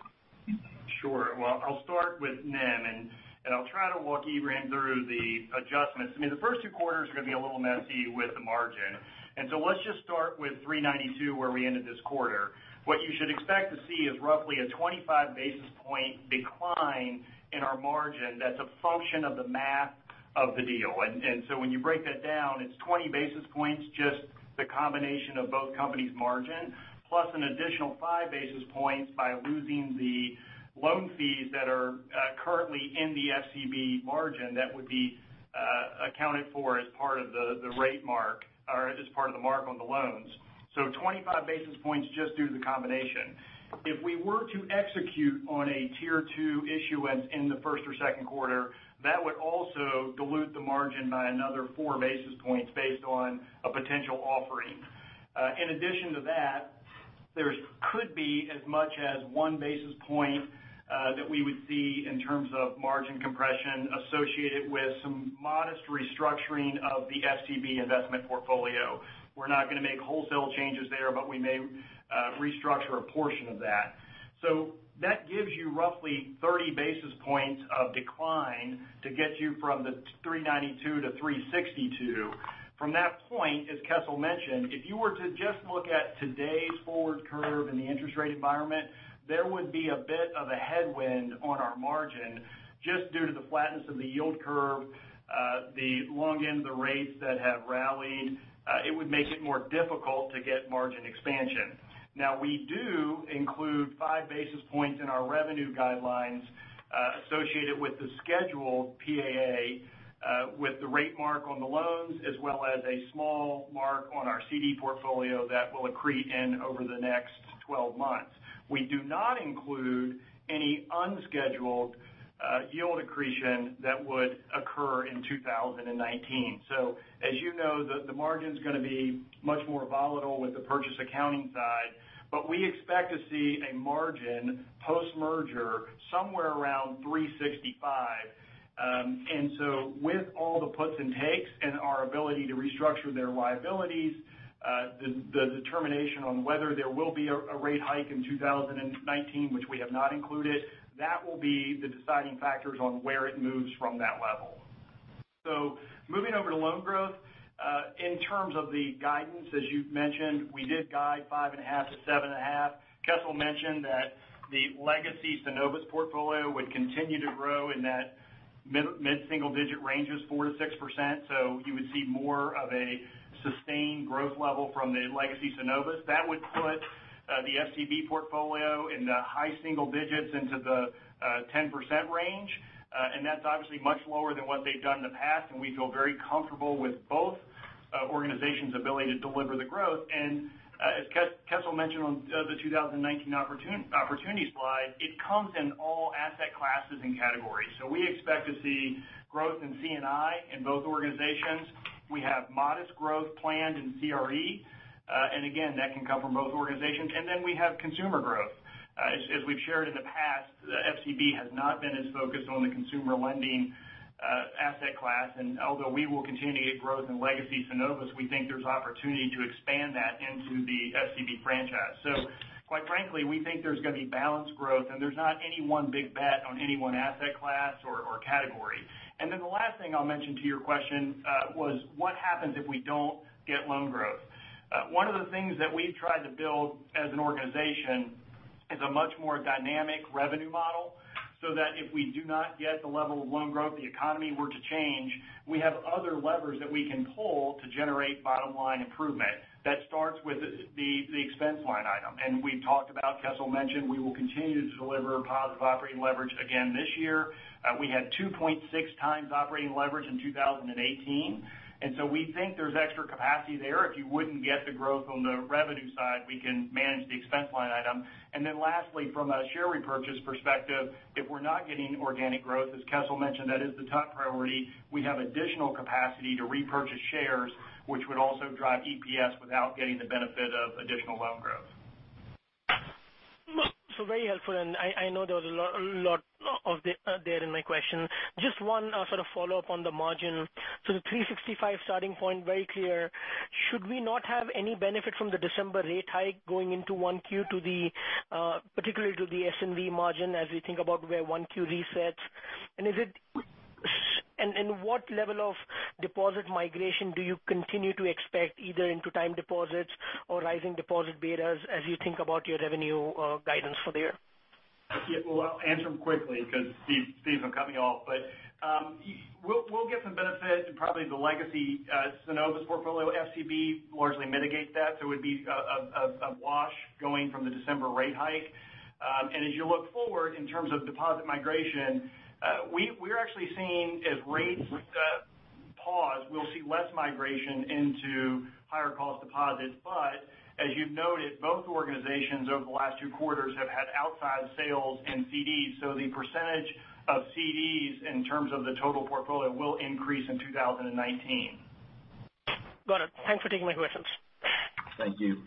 Speaker 5: Sure. Well, I'll start with NIM, I'll try to walk Ebrahim through the adjustments. The first two quarters are going to be a little messy with the margin. Let's just start with 392, where we ended this quarter. What you should expect to see is roughly a 25-basis point decline in our margin that's a function of the math of the deal. When you break that down, it's 20 basis points, just the combination of both companies' margin, plus an additional five basis points by losing the loan fees that are currently in the FCB margin that would be accounted for as part of the rate mark or as part of the mark on the loans. So 25 basis points just due to the combination. If we were to execute on a Tier 2 issuance in the first or second quarter, that would also dilute the margin by another four basis points based on a potential offering. In addition to that, there could be as much as one basis point that we would see in terms of margin compression associated with some modest restructuring of the FCB investment portfolio. We're not going to make wholesale changes there, but we may restructure a portion of that. That gives you roughly 30 basis points of decline to get you from the 392 to 362. From that point, as Kessel mentioned, if you were to just look at today's forward curve and the interest rate environment, there would be a bit of a headwind on our margin just due to the flatness of the yield curve, the long end of the rates that have rallied. It would make it more difficult to get margin expansion. Now, we do include five basis points in our revenue guidelines associated with the scheduled PAA with the rate mark on the loans, as well as a small mark on our CD portfolio that will accrete in over the next 12 months. We do not include any unscheduled yield accretion that would occur in 2019. As you know, the margin's going to be much more volatile with the purchase accounting side, but we expect to see a margin post-merger somewhere around 365. With all the puts and takes and our ability to restructure their liabilities, the determination on whether there will be a rate hike in 2019, which we have not included, that will be the deciding factors on where it moves from that level. Moving over to loan growth, in terms of the guidance, as you've mentioned, we did guide 5.5%-7.5%. Kessel mentioned that the legacy Synovus portfolio would continue to grow in that mid-single-digit ranges, 4%-6%. You would see more of a sustained growth level from the legacy Synovus. That would put the FCB portfolio in the high single digits into the 10% range. That's obviously much lower than what they've done in the past, and we feel very comfortable with both organizations' ability to deliver the growth. As Kessel mentioned on the 2019 opportunity slide, it comes in all asset classes and categories. We expect to see growth in C&I in both organizations. We have modest growth planned in CRE. Again, that can come from both organizations. We have consumer growth. As we've shared in the past, FCB has not been as focused on the consumer lending asset class. Although we will continue to get growth in legacy Synovus, we think there's opportunity to expand that into the FCB franchise. Quite frankly, we think there's going to be balanced growth, and there's not any one big bet on any one asset class or category. The last thing I'll mention to your question was what happens if we don't get loan growth? One of the things that we've tried to build as an organization is a much more dynamic revenue model so that if we do not get the level of loan growth, the economy were to change, we have other levers that we can pull to generate bottom-line improvement. That starts with the expense line item. We've talked about, Kessel mentioned, we will continue to deliver positive operating leverage again this year. We had 2.6x operating leverage in 2018. We think there's extra capacity there. If you wouldn't get the growth on the revenue side, we can manage the expense line item. Lastly, from a share repurchase perspective, if we're not getting organic growth, as Kessel mentioned, that is the top priority. We have additional capacity to repurchase shares, which would also drive EPS without getting the benefit of additional loan growth.
Speaker 8: Very helpful, and I know there was a lot there in my question. Just one follow-up on the margin. The 365 starting point, very clear. Should we not have any benefit from the December rate hike going into 1Q, particularly to the SNV margin as we think about where 1Q resets? What level of deposit migration do you continue to expect either into time deposits or rising deposit betas as you think about your revenue guidance for the year?
Speaker 5: Yeah. Well, I'll answer them quickly because <audio distortion> coming off. We'll get some benefit in probably the legacy Synovus portfolio. FCB largely mitigate that, so it would be a wash going from the December rate hike. As you look forward in terms of deposit migration, we're actually seeing as rates pause, we'll see less migration into higher cost deposits. As you've noted, both organizations over the last two quarters have had outsized sales and CDs, so the percentage of CDs in terms of the total portfolio will increase in 2019.
Speaker 8: Got it. Thanks for taking my questions.
Speaker 3: Thank you.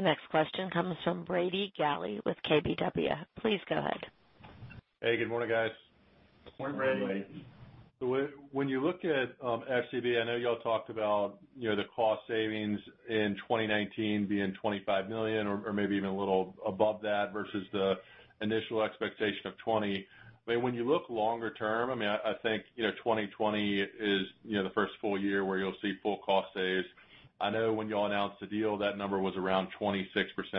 Speaker 1: The next question comes from Brady Gailey with KBW. Please go ahead.
Speaker 9: Hey, good morning, guys.
Speaker 5: Morning, Brady.
Speaker 9: When you look at FCB, I know you all talked about the cost savings in 2019 being $25 million or maybe even a little above that versus the initial expectation of $20 million. When you look longer term, I think 2020 is the first full year where you'll see full cost saves. I know when you all announced the deal, that number was around 26%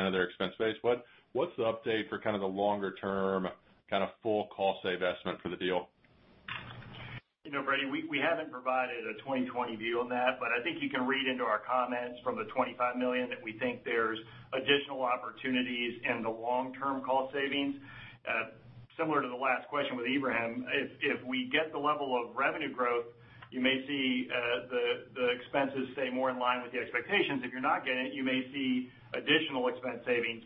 Speaker 9: of their expense base. What's the update for the longer-term full cost save estimate for the deal?
Speaker 5: Brady, we haven't provided a 2020 view on that, I think you can read into our comments from the $25 million that we think there's additional opportunities in the long-term cost savings. Similar to the last question with Ebrahim, if we get the level of revenue growth, you may see the expenses stay more in line with the expectations. If you're not getting it, you may see additional expense savings.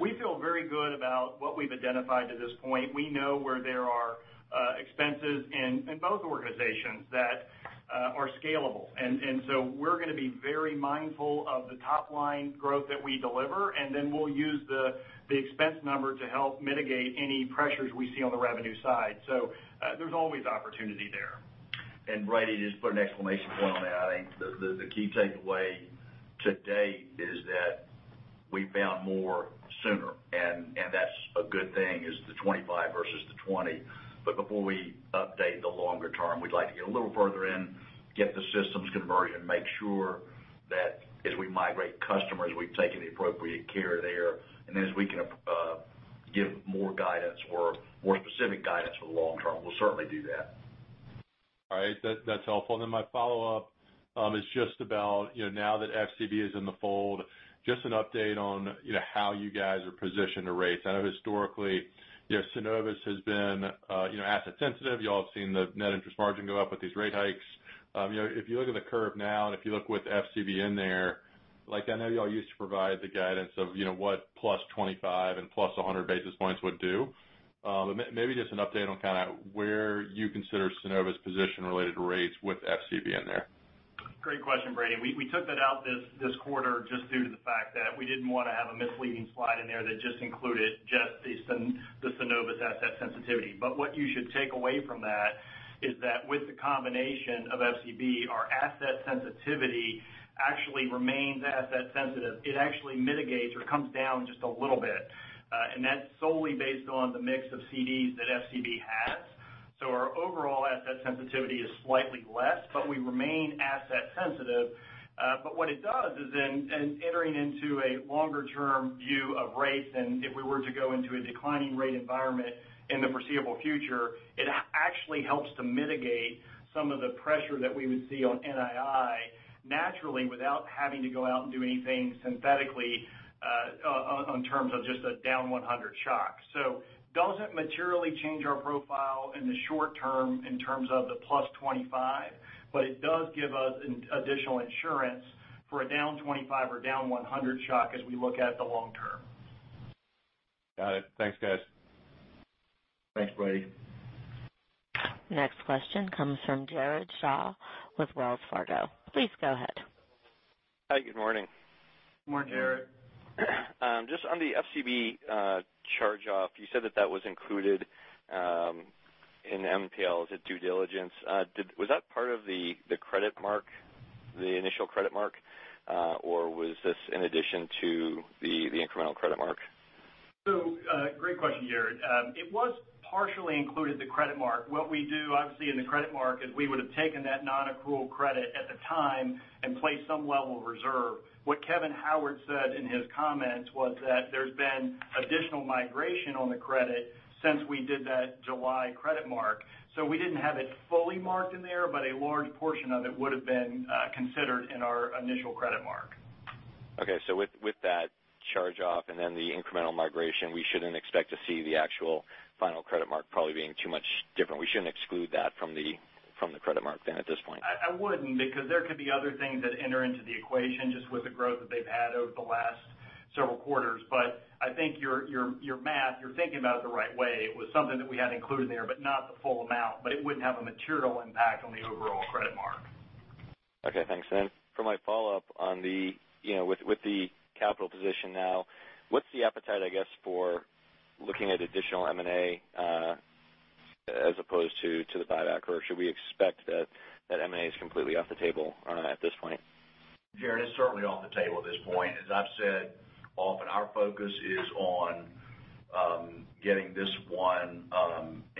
Speaker 5: We feel very good about what we've identified to this point. We know where there are expenses in both organizations that are scalable. We're going to be very mindful of the top-line growth that we deliver, and then we'll use the expense number to help mitigate any pressures we see on the revenue side. There's always opportunity there.
Speaker 3: Brady, just to put an exclamation point on that, I think the key takeaway to date is that we found more sooner, and that's a good thing, is the $25 million versus the $20 million. Before we update the longer term, we'd like to get a little further in, get the systems conversion, make sure that as we migrate customers, we've taken the appropriate care there. As we can give more guidance or more specific guidance for the long term, we'll certainly do that.
Speaker 9: All right. That's helpful. My follow-up is just about, now that FCB is in the fold, just an update on how you guys are positioned to rates. I know historically, Synovus has been asset sensitive. You all have seen the net interest margin go up with these rate hikes. If you look at the curve now, and if you look with FCB in there, I know you all used to provide the guidance of what +25 and +100 basis points would do. Maybe just an update on where you consider Synovus position related to rates with FCB in there.
Speaker 5: Great question, Brady. We took that out this quarter just due to the fact that we didn't want to have a misleading slide in there that just included just the Synovus asset sensitivity. What you should take away from that is that with the combination of FCB, our asset sensitivity actually remains asset sensitive. It actually mitigates or comes down just a little bit. That's solely based on the mix of CDs that FCB has. Our overall asset sensitivity is slightly less, but we remain asset sensitive. What it does is in entering into a longer term view of rates, if we were to go into a declining rate environment in the foreseeable future, it actually helps to mitigate some of the pressure that we would see on NII naturally, without having to go out and do anything synthetically, on terms of just a down 100 shock. It doesn't materially change our profile in the short term in terms of the +25, but it does give us additional insurance for a down 25 or down 100 shock as we look at the long term.
Speaker 9: Got it. Thanks, guys.
Speaker 3: Thanks, Brady.
Speaker 1: Next question comes from Jared Shaw with Wells Fargo. Please go ahead.
Speaker 10: Hi, good morning.
Speaker 3: Good morning, Jared.
Speaker 10: Just on the FCB charge-off, you said that that was included in NPL as a due diligence. Was that part of the initial credit mark? Was this in addition to the incremental credit mark?
Speaker 5: Great question, Jared. It was partially included the credit mark. What we do obviously in the credit mark is we would have taken that non-accrual credit at the time and placed some level of reserve. What Kevin Howard said in his comments was that there's been additional migration on the credit since we did that July credit mark. We didn't have it fully marked in there, but a large portion of it would've been considered in our initial credit mark.
Speaker 10: Okay, with that charge-off and then the incremental migration, we shouldn't expect to see the actual final credit mark probably being too much different. We shouldn't exclude that from the credit mark at this point.
Speaker 5: I wouldn't, because there could be other things that enter into the equation just with the growth that they've had over the last several quarters. I think your math, you're thinking about it the right way. It was something that we had included there, but not the full amount, but it wouldn't have a material impact on the overall credit mark.
Speaker 10: Okay, thanks. For my follow-up on with the capital position now, what's the appetite, I guess, for looking at additional M&A, as opposed to the buyback, or should we expect that that M&A is completely off the table at this point?
Speaker 3: Jared, it's certainly off the table at this point. As I've said often, our focus is on getting this one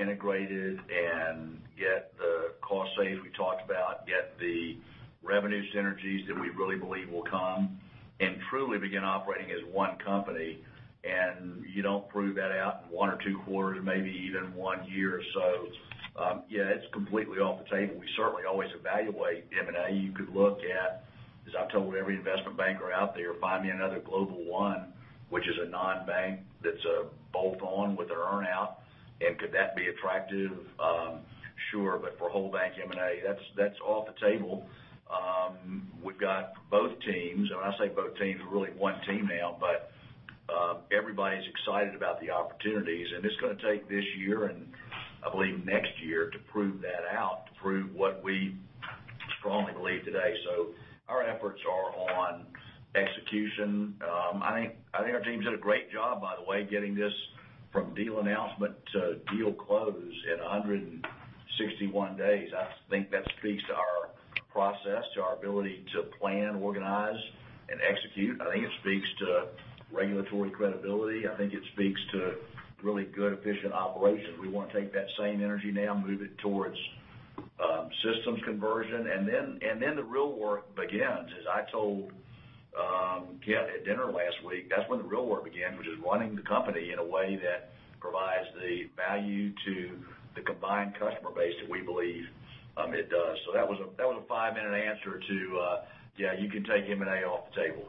Speaker 3: integrated and get the cost saves we talked about, get the revenue synergies that we really believe will come, truly begin operating as one company. You don't prove that out in one or two quarters, maybe even one year or so. Yeah, it's completely off the table. We certainly always evaluate M&A. You could look at, as I've told every investment banker out there, find me another Global One which is a non-bank that's a bolt-on with their earn-out, and could that be attractive? Sure. For whole bank M&A, that's off the table. We've got both teams, and when I say both teams, we're really one team now. Everybody's excited about the opportunities, and it's going to take this year and I believe next year to prove that out, to prove what we strongly believe today. Our efforts are on execution. I think our team's did a great job, by the way, getting this from deal announcement to deal close in 161 days. I think that speaks to our process, to our ability to plan, organize, and execute. I think it speaks to regulatory credibility. I think it speaks to really good efficient operations. We want to take that same energy now, move it towards systems conversion, then the real work begins. As I told <audio distortion> at dinner last week, that's when the real work begins, which is running the company in a way that provides the value to the combined customer base that we believe it does. That was a five-minute answer to, yeah, you can take M&A off the table.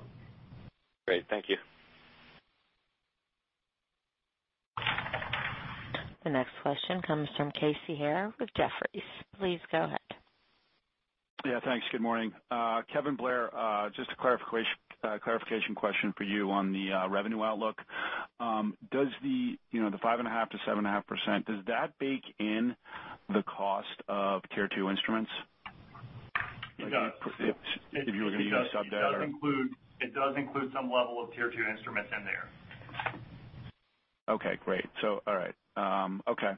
Speaker 10: Great, thank you.
Speaker 1: The next question comes from Casey Haire with Jefferies. Please go ahead.
Speaker 11: Yeah, thanks. Good morning. Kevin Blair, just a clarification question for you on the revenue outlook. Does the 5.5%-7.5%, does that bake in the cost of Tier 2 instruments?
Speaker 5: It does.
Speaker 11: If you were going to even sub that—
Speaker 5: It does include some level of Tier 2 instruments in there.
Speaker 11: Okay, great. All right. Okay.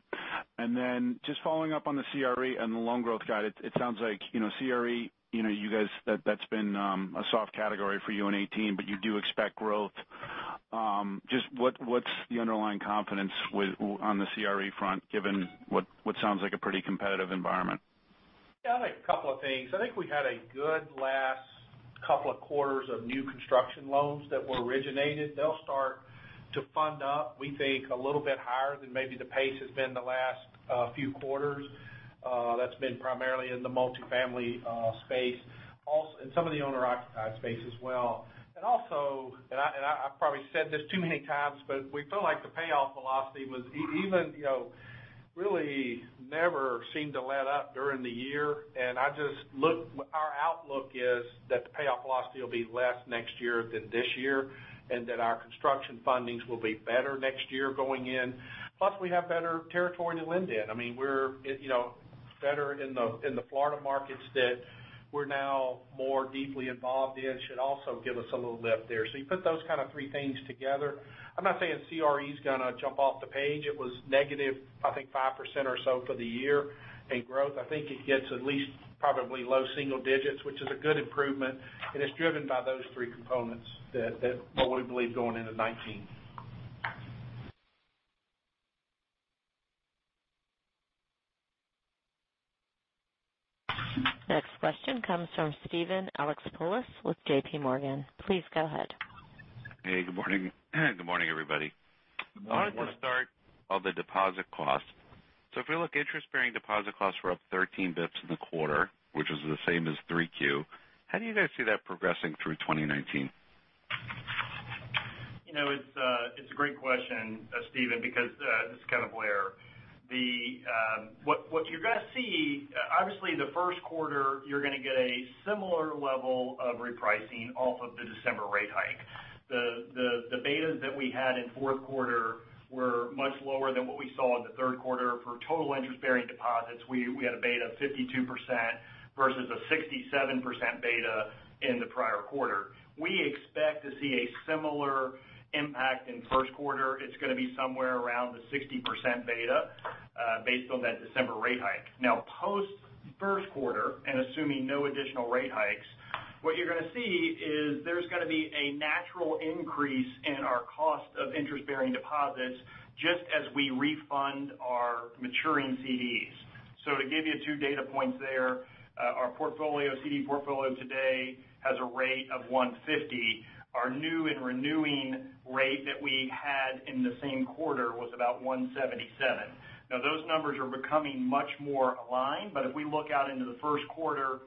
Speaker 11: Just following up on the CRE and the loan growth guide, it sounds like CRE, that's been a soft category for you in 2018, you do expect growth. Just what's the underlying confidence on the CRE front, given what sounds like a pretty competitive environment?
Speaker 7: Yeah, a couple of things. I think we had a good last. A couple of quarters of new construction loans that were originated. They'll start to fund up, we think, a little bit higher than maybe the pace has been the last few quarters. That's been primarily in the multifamily space, and some of the owner-occupied space as well. Also, I've probably said this too many times, we feel like the payoff velocity really never seemed to let up during the year. Our outlook is that the payoff velocity will be less next year than this year, and that our construction fundings will be better next year going in. Plus, we have better territory to lend in. We're better in the Florida markets that we're now more deeply involved in. Should also give us a little lift there. You put those kind of three things together. I'm not saying CRE is going to jump off the page. It was negative, I think 5% or so for the year in growth. I think it gets at least probably low single digits, which is a good improvement, it's driven by those three components that what we believe going into 2019.
Speaker 1: Next question comes from Steven Alexopoulos with JPMorgan. Please go ahead.
Speaker 12: Hey, good morning. Good morning, everybody.
Speaker 3: Good morning.
Speaker 12: I want to start on the deposit cost. If we look interest-bearing deposit costs were up 13 basis points in the quarter, which is the same as 3Q. How do you guys see that progressing through 2019?
Speaker 5: It's a great question, Steven, because— this is Kevin Blair. What you're going to see, obviously the first quarter, you're going to get a similar level of repricing off of the December rate hike. The betas that we had in fourth quarter were much lower than what we saw in the third quarter. For total interest-bearing deposits, we had a beta of 52% versus a 67% beta in the prior quarter. We expect to see a similar impact in first quarter. It's going to be somewhere around the 60% beta based on that December rate hike. Post first quarter, and assuming no additional rate hikes, what you're going to see is there's going to be a natural increase in our cost of interest-bearing deposits just as we refund our maturing CDs. To give you two data points there, our CD portfolio today has a rate of 150. Our new and renewing rate that we had in the same quarter was about 177. Those numbers are becoming much more aligned, but if we look out into the first quarter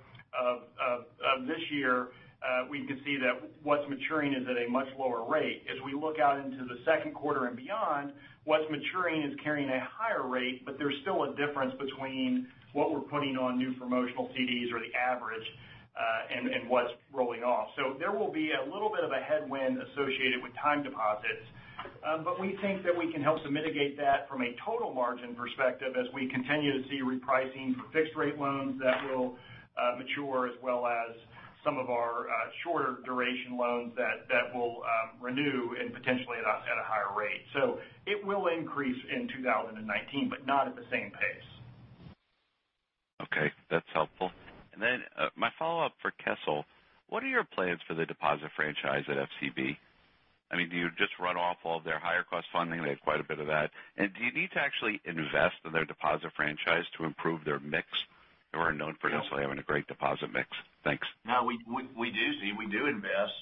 Speaker 5: of this year, we can see that what's maturing is at a much lower rate. As we look out into the second quarter and beyond, what's maturing is carrying a higher rate, but there's still a difference between what we're putting on new promotional CDs or the average, and what's rolling off. There will be a little bit of a headwind associated with time deposits. We think that we can help to mitigate that from a total margin perspective as we continue to see repricing for fixed rate loans that will mature as well as some of our shorter duration loans that will renew and potentially at a higher rate. It will increase in 2019, but not at the same pace.
Speaker 12: Okay, that's helpful. My follow-up for Kessel. What are your plans for the deposit franchise at FCB? Do you just run off all of their higher cost funding? They had quite a bit of that. Do you need to actually invest in their deposit franchise to improve their mix? They were known for necessarily having a great deposit mix. Thanks.
Speaker 3: No, we do see, we do invest.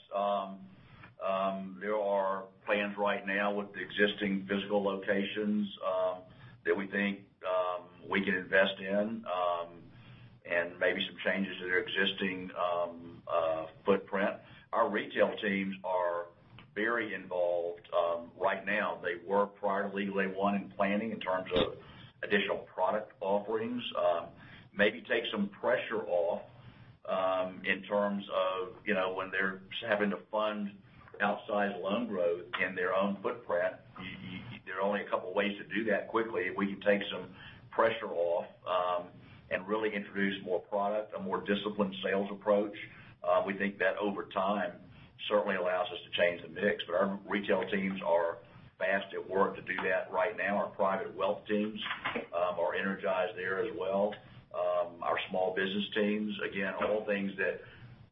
Speaker 3: There are plans right now with the existing physical locations that we think we can invest in, and maybe some changes to their existing footprint. Our retail teams are very involved right now. They were prior to legally one in planning in terms of additional product offerings. Maybe take some pressure off in terms of when they're having to fund outsized loan growth in their own footprint. There are only a couple of ways to do that quickly. If we can take some pressure off, and really introduce more product, a more disciplined sales approach, we think that over time certainly allows us to change the mix. Our retail teams are fast at work to do that right now. Our private wealth teams are energized there as well. Our small business teams, again, all things that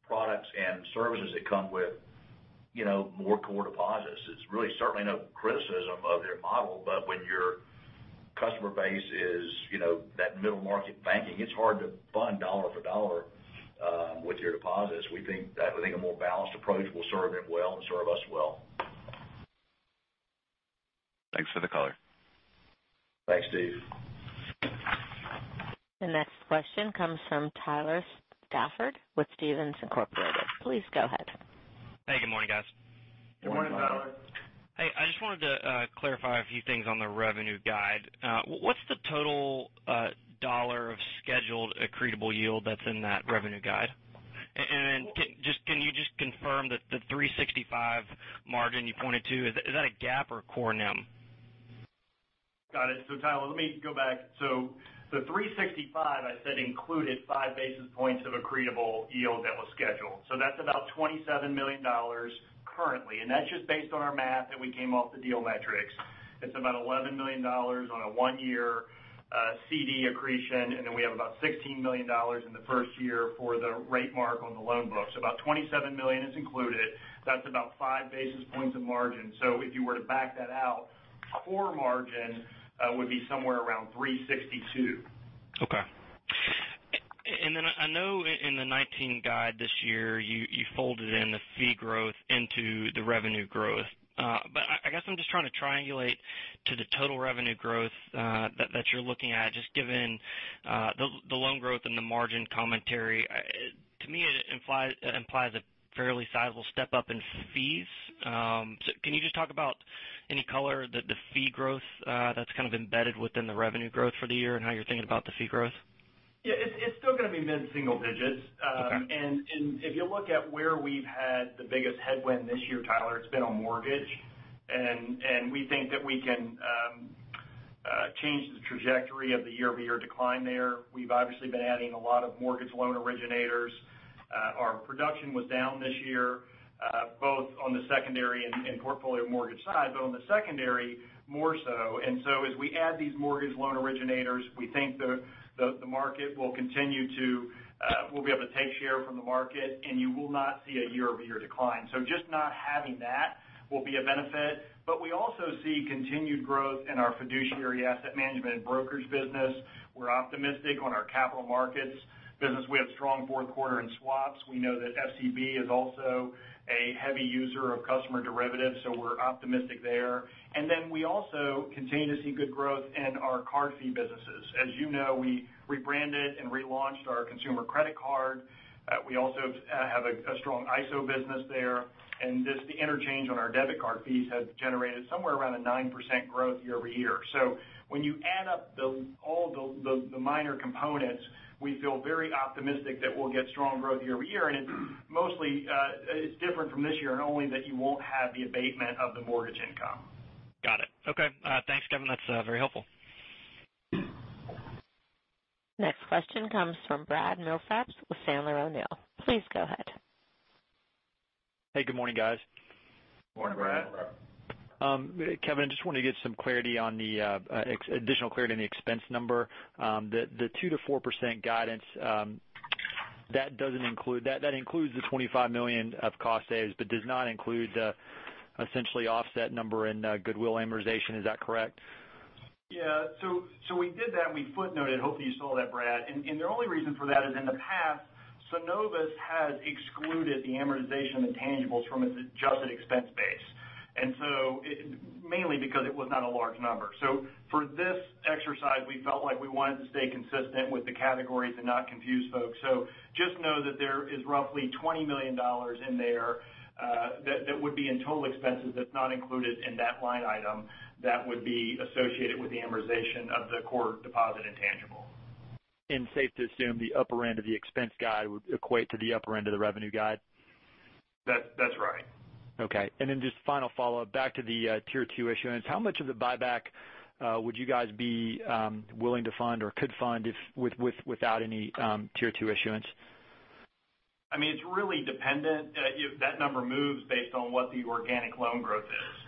Speaker 3: products and services that come with more core deposits. It's really certainly no criticism of their model, but when your customer base is that middle-market banking, it's hard to fund dollar for dollar with your deposits. We think a more balanced approach will serve them well and serve us well.
Speaker 12: Thanks for the color.
Speaker 3: Thanks, Steve.
Speaker 1: The next question comes from Tyler Stafford with Stephens, Incorporated. Please go ahead.
Speaker 13: Hey, good morning, guys.
Speaker 3: Good morning, Tyler.
Speaker 5: Morning.
Speaker 13: I just wanted to clarify a few things on the revenue guide. What's the total dollar of scheduled accretable yield that's in that revenue guide? Can you just confirm that the 365 margin you pointed to, is that a GAAP or a core NIM?
Speaker 3: Got it. Tyler, let me go back. The 365 I said included five basis points of accretable yield that was scheduled. That's about $27 million currently, and that's just based on our math that we came off the deal metrics. It's about $11 million on a one-year CD accretion. We have about $16 million in the first year for the rate mark on the loan books. About $27 million is included. That's about five basis points of margin. If you were to back that out, core margin would be somewhere around 362.
Speaker 13: Okay. I know in the 2019 guide this year, you folded in the fee growth into the revenue growth. I guess I'm just trying to triangulate to the total revenue growth that you're looking at, just given the loan growth and the margin commentary. To me, it implies a fairly sizable step up in fees. Can you just talk about any color that the fee growth that's kind of embedded within the revenue growth for the year and how you're thinking about the fee growth?
Speaker 5: Yeah, it's still going to be mid-single digits.
Speaker 13: Okay.
Speaker 5: If you look at where we've had the biggest headwind this year, Tyler, it's been on mortgage. We think that we can change the trajectory of the year-over-year decline there. We've obviously been adding a lot of mortgage loan originators. Our production was down this year both on the secondary and portfolio mortgage side, but on the secondary more so. As we add these mortgage loan originators, we think the market we'll be able to take share from the market, and you will not see a year-over-year decline. Just not having that will be a benefit. We also see continued growth in our fiduciary asset management and brokers business. We're optimistic on our capital markets business. We have strong fourth quarter in swaps. We know that FCB is also a heavy user of customer derivatives, so we're optimistic there. We also continue to see good growth in our card fee businesses. As you know, we rebranded and relaunched our consumer credit card. We also have a strong ISO business there. Just the interchange on our debit card fees has generated somewhere around a 9% growth year-over-year. When you add up all the minor components, we feel very optimistic that we'll get strong growth year-over-year. Mostly, it's different from this year in only that you won't have the abatement of the mortgage income.
Speaker 13: Got it. Okay. Thanks, Kevin. That's very helpful.
Speaker 1: Next question comes from Brad Milsaps with Sandler O'Neill. Please go ahead.
Speaker 14: Hey, good morning, guys.
Speaker 3: Morning, Brad.
Speaker 14: Kevin, just wanted to get some additional clarity on the expense number. The 2%-4% guidance, that includes the $25 million of cost saves but does not include the essentially offset number in goodwill amortization. Is that correct?
Speaker 5: Yeah. We did that and we footnoted. Hopefully you saw that, Brad. The only reason for that is in the past, Synovus has excluded the amortization intangibles from its adjusted expense base. Mainly because it was not a large number. For this exercise, we felt like we wanted to stay consistent with the categories and not confuse folks. Just know that there is roughly $20 million in there that would be in total expenses that's not included in that line item that would be associated with the amortization of the core deposit intangible.
Speaker 14: Safe to assume the upper end of the expense guide would equate to the upper end of the revenue guide?
Speaker 5: That's right.
Speaker 14: Okay. Then just final follow-up back to the Tier 2 issuance. How much of the buyback would you guys be willing to fund or could fund without any Tier 2 issuance?
Speaker 5: It's really dependent. That number moves based on what the organic loan growth is.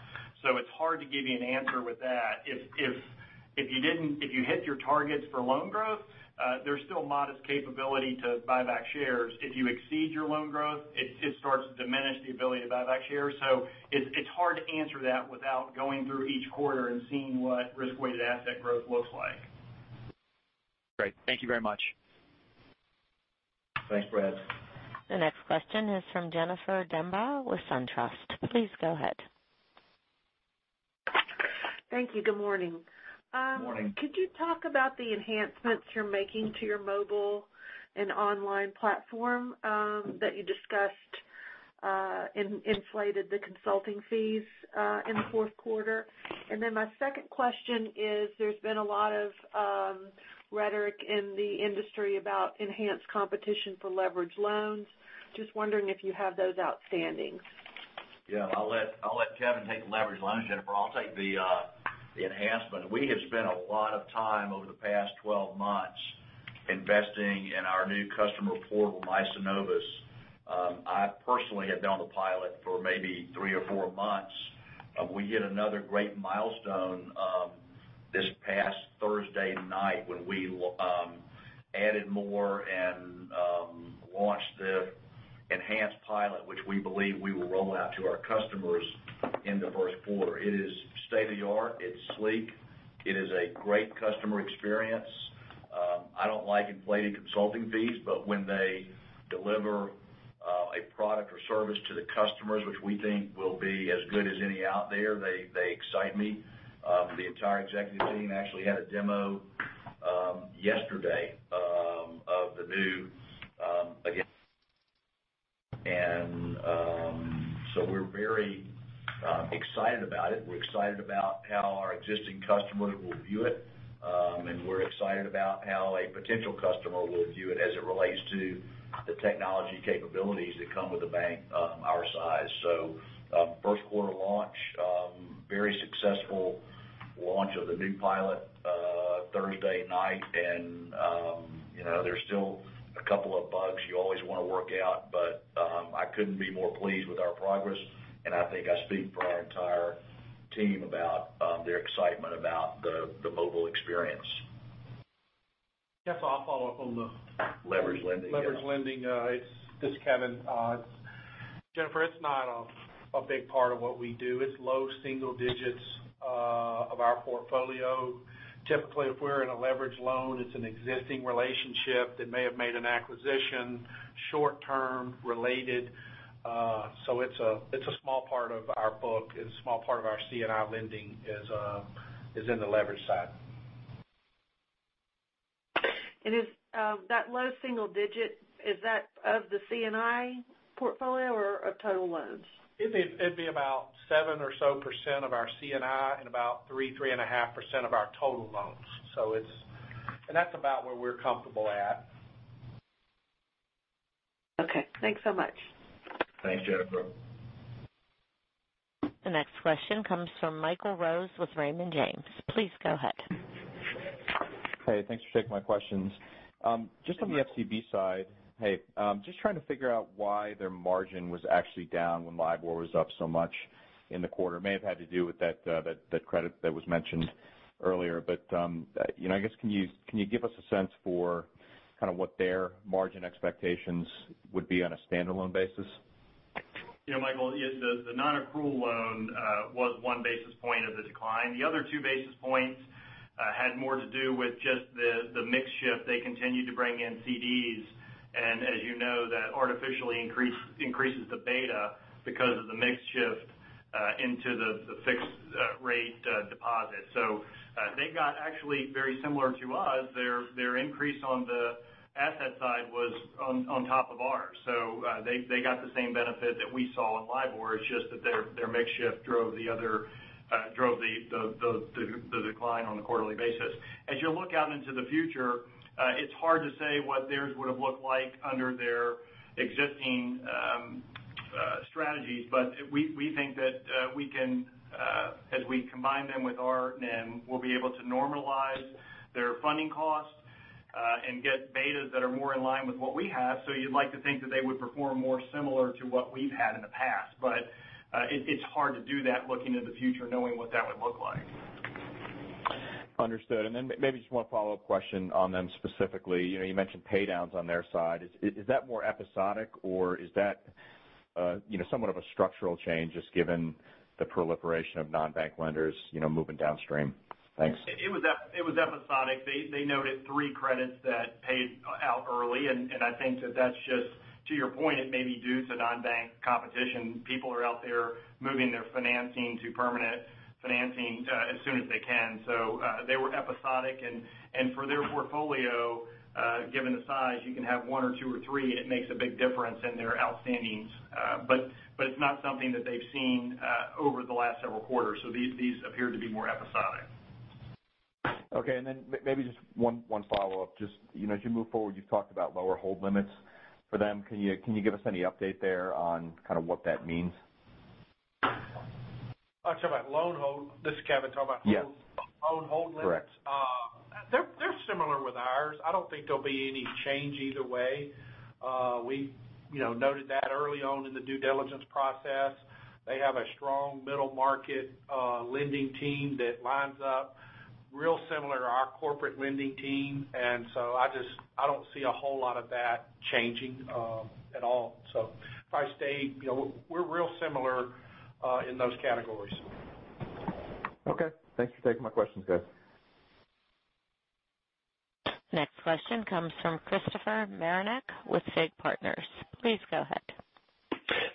Speaker 5: It's hard to give you an answer with that. If you hit your targets for loan growth, there's still modest capability to buy back shares. If you exceed your loan growth, it starts to diminish the ability to buy back shares. It's hard to answer that without going through each quarter and seeing what risk-weighted asset growth looks like.
Speaker 14: Great. Thank you very much.
Speaker 3: Thanks, Brad.
Speaker 1: The next question is from Jennifer Demba with SunTrust. Please go ahead.
Speaker 15: Thank you. Good morning.
Speaker 3: Morning.
Speaker 15: Could you talk about the enhancements you're making to your mobile and online platform that you discussed inflated the consulting fees in the fourth quarter? My second question is there's been a lot of rhetoric in the industry about enhanced competition for leverage loans. Just wondering if you have those outstanding.
Speaker 3: I'll let Kevin take the leverage loans, Jennifer. I'll take the enhancement. We have spent a lot of time over the past 12 months investing in our new customer portal, My Synovus. I personally have been on the pilot for maybe three or four months. We hit another great milestone this past Thursday night when we added more and launched the enhanced pilot, which we believe we will roll out to our customers in the first quarter. It is state of the art. It's sleek. It is a great customer experience. I don't like inflated consulting fees, but when they deliver a product or service to the customers, which we think will be as good as any out there, they excite me. The entire executive team actually had a demo yesterday of the new, again. We're very excited about it. We're excited about how our existing customers will view it. We're excited about how a potential customer will view it as it relates to the technology capabilities that come with a bank our size. First quarter launch, very successful launch of the new pilot Thursday night, and there's still a couple of bugs you always want to work out, but I couldn't be more pleased with our progress, and I think I speak for our entire team about their excitement about the mobile experience.
Speaker 7: Jennifer, I'll follow up on the—
Speaker 3: Leverage lending, yeah.
Speaker 7: Leverage lending. It's Kevin. Jennifer, it's not a big part of what we do. It's low single digits of our portfolio. Typically, if we're in a leverage loan, it's an existing relationship that may have made an acquisition, short-term related. It's a small part of our book and a small part of our C&I lending is in the leverage side.
Speaker 15: That low single digit, is that of the C&I portfolio or of total loans?
Speaker 7: It'd be about seven or so percent of our C&I and about 3%, 3.5% of our total loans. That's about where we're comfortable at.
Speaker 15: Okay, thanks so much.
Speaker 3: Thanks, Jennifer.
Speaker 1: The next question comes from Michael Rose with Raymond James. Please go ahead.
Speaker 16: Hey, thanks for taking my questions.
Speaker 5: Yeah.
Speaker 16: Just on the FCB side, just trying to figure out why their margin was actually down when LIBOR was up so much in the quarter. May have had to do with that credit that was mentioned earlier. I guess, can you give us a sense for kind of what their margin expectations would be on a standalone basis?
Speaker 5: Michael, the non-accrual loan was one basis point of the decline. The other two basis points had more to do with just the mix shift. They continued to bring in CDs, as you know, that artificially increases the beta because of the mix shift into the fixed rate deposit. They got actually very similar to us. Their increase on the asset side was on top of ours. They got the same benefit that we saw in LIBOR, it's just that their mix shift drove the decline on a quarterly basis. As you look out into the future, it's hard to say what theirs would have looked like under their existing strategies. We think that as we combine them with ours, we'll be able to normalize their funding costs, get betas that are more in line with what we have. You'd like to think that they would perform more similar to what we've had in the past. It's hard to do that looking into the future, knowing what that would look like.
Speaker 16: Understood. Maybe just one follow-up question on them specifically. You mentioned paydowns on their side. Is that more episodic or is that somewhat of a structural change, just given the proliferation of non-bank lenders moving downstream? Thanks.
Speaker 5: It was episodic. They noted three credits that paid out early, I think that's just to your point, it may be due to non-bank competition. People are out there moving their financing to permanent financing as soon as they can. They were episodic, for their portfolio, given the size, you can have one or two or three, it makes a big difference in their outstandings. It's not something that they've seen over the last several quarters. These appear to be more episodic.
Speaker 16: Okay, maybe just one follow-up. Just as you move forward, you've talked about lower hold limits for them. Can you give us any update there on kind of what that means?
Speaker 7: Talking about loan hold. This is Kevin.
Speaker 16: Yes.
Speaker 7: Loan hold limits?
Speaker 16: Correct.
Speaker 7: They're similar with ours. I don't think there'll be any change either way. We noted that early on in the due diligence process. They have a strong middle market lending team that lines up real similar to our corporate lending team. I don't see a whole lot of that changing, at all. If I stayed, we're real similar in those categories.
Speaker 16: Okay. Thanks for taking my questions, guys.
Speaker 1: Next question comes from Christopher Marinac with FIG Partners. Please go ahead.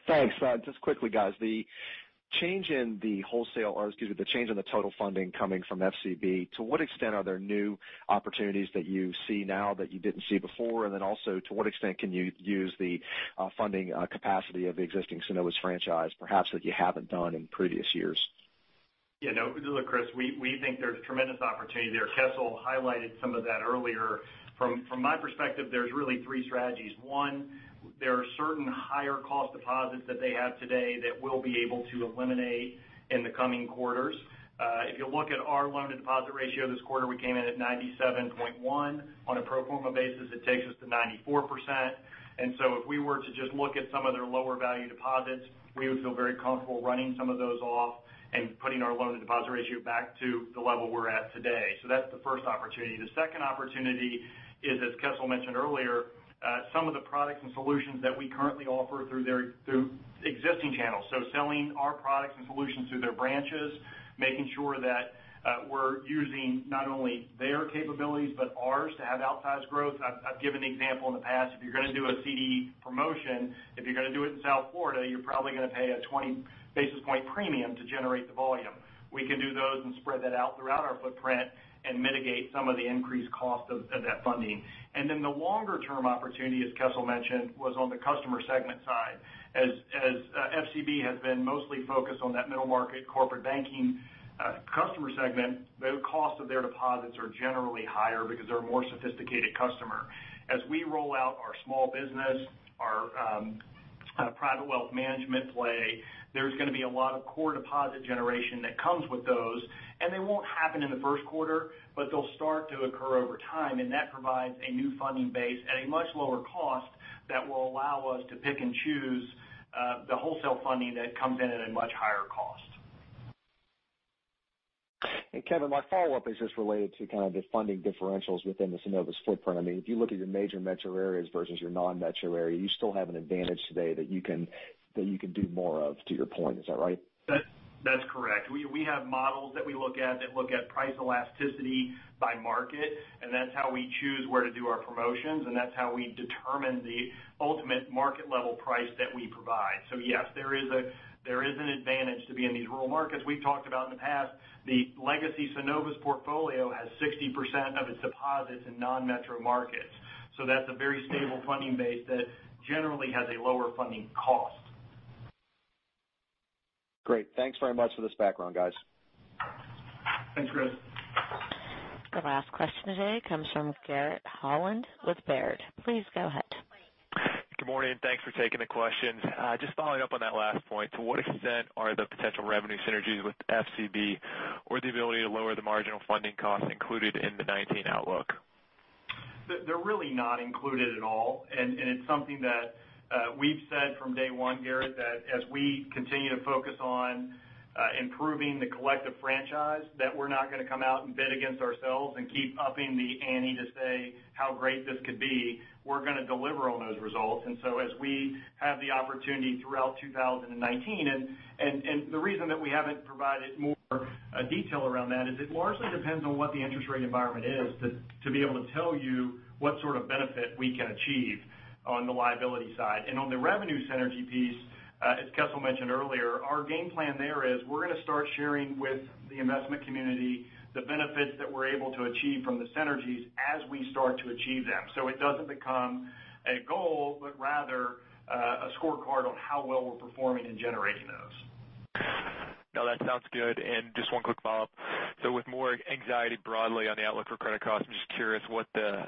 Speaker 17: Thanks. Just quickly, guys, the change in the wholesale, or excuse me, the change in the total funding coming from FCB, to what extent are there new opportunities that you see now that you didn't see before? To what extent can you use the funding capacity of the existing Synovus franchise, perhaps that you haven't done in previous years?
Speaker 5: Chris, we think there's tremendous opportunity there. Kessel highlighted some of that earlier. From my perspective, there's really three strategies. One, there are certain higher cost deposits that they have today that we'll be able to eliminate in the coming quarters. If you look at our loan-to-deposit ratio this quarter, we came in at 97.1%. On a pro forma basis, it takes us to 94%. If we were to just look at some of their lower value deposits, we would feel very comfortable running some of those off and putting our loan-to-deposit ratio back to the level we're at today. That's the first opportunity. The second opportunity is, as Kessel mentioned earlier, some of the products and solutions that we currently offer through existing channels. Selling our products and solutions through their branches, making sure that we're using not only their capabilities but ours to have outsized growth. I've given the example in the past, if you're going to do a CD promotion, if you're going to do it in South Florida, you're probably going to pay a 20 basis point premium to generate the volume. We can do those and spread that out throughout our footprint and mitigate some of the increased cost of that funding. The longer-term opportunity, as Kessel mentioned, was on the customer segment side. As FCB has been mostly focused on that middle market corporate banking customer segment, the cost of their deposits are generally higher because they're a more sophisticated customer. As we roll out our small business, our kind of private wealth management play, there's going to be a lot of core deposit generation that comes with those. They won't happen in the first quarter, but they'll start to occur over time, and that provides a new funding base at a much lower cost that will allow us to pick and choose the wholesale funding that comes in at a much higher cost.
Speaker 17: Kevin, my follow-up is just related to kind of the funding differentials within the Synovus footprint. I mean, if you look at your major metro areas versus your non-metro area, you still have an advantage today that you can do more of, to your point. Is that right?
Speaker 5: That's correct. We have models that we look at that look at price elasticity by market, and that's how we choose where to do our promotions, and that's how we determine the ultimate market level price that we provide. Yes, there is an advantage to be in these rural markets. We've talked about in the past, the legacy Synovus portfolio has 60% of its deposits in non-metro markets. That's a very stable funding base that generally has a lower funding cost.
Speaker 17: Great. Thanks very much for this background, guys.
Speaker 5: Thanks, Chris.
Speaker 1: The last question today comes from Garrett Holland with Baird. Please go ahead.
Speaker 18: Good morning, thanks for taking the questions. Just following up on that last point, to what extent are the potential revenue synergies with FCB or the ability to lower the marginal funding cost included in the 2019 outlook?
Speaker 5: They're really not included at all. It's something that we've said from day one, Garrett, that as we continue to focus on improving the collective franchise, that we're not going to come out and bid against ourselves and keep upping the ante to say how great this could be. We're going to deliver on those results. As we have the opportunity throughout 2019, and the reason that we haven't provided more detail around that is it largely depends on what the interest rate environment is to be able to tell you what sort of benefit we can achieve on the liability side. On the revenue synergy piece, as Kessel mentioned earlier, our game plan there is we're going to start sharing with the investment community the benefits that we're able to achieve from the synergies as we start to achieve them. It doesn't become a goal, but rather a scorecard on how well we're performing in generating those.
Speaker 18: No, that sounds good. Just one quick follow-up. With more anxiety broadly on the outlook for credit costs, I'm just curious what the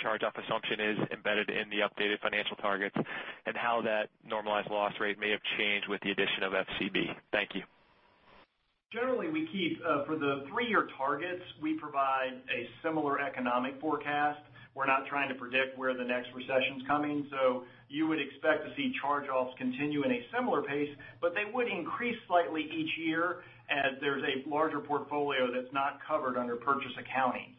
Speaker 18: charge-off assumption is embedded in the updated financial targets and how that normalized loss rate may have changed with the addition of FCB. Thank you.
Speaker 5: Generally, we keep, for the three-year targets, we provide a similar economic forecast. We're not trying to predict where the next recession's coming. You would expect to see charge-offs continue in a similar pace, but they would increase slightly each year as there's a larger portfolio that's not covered under purchase accounting.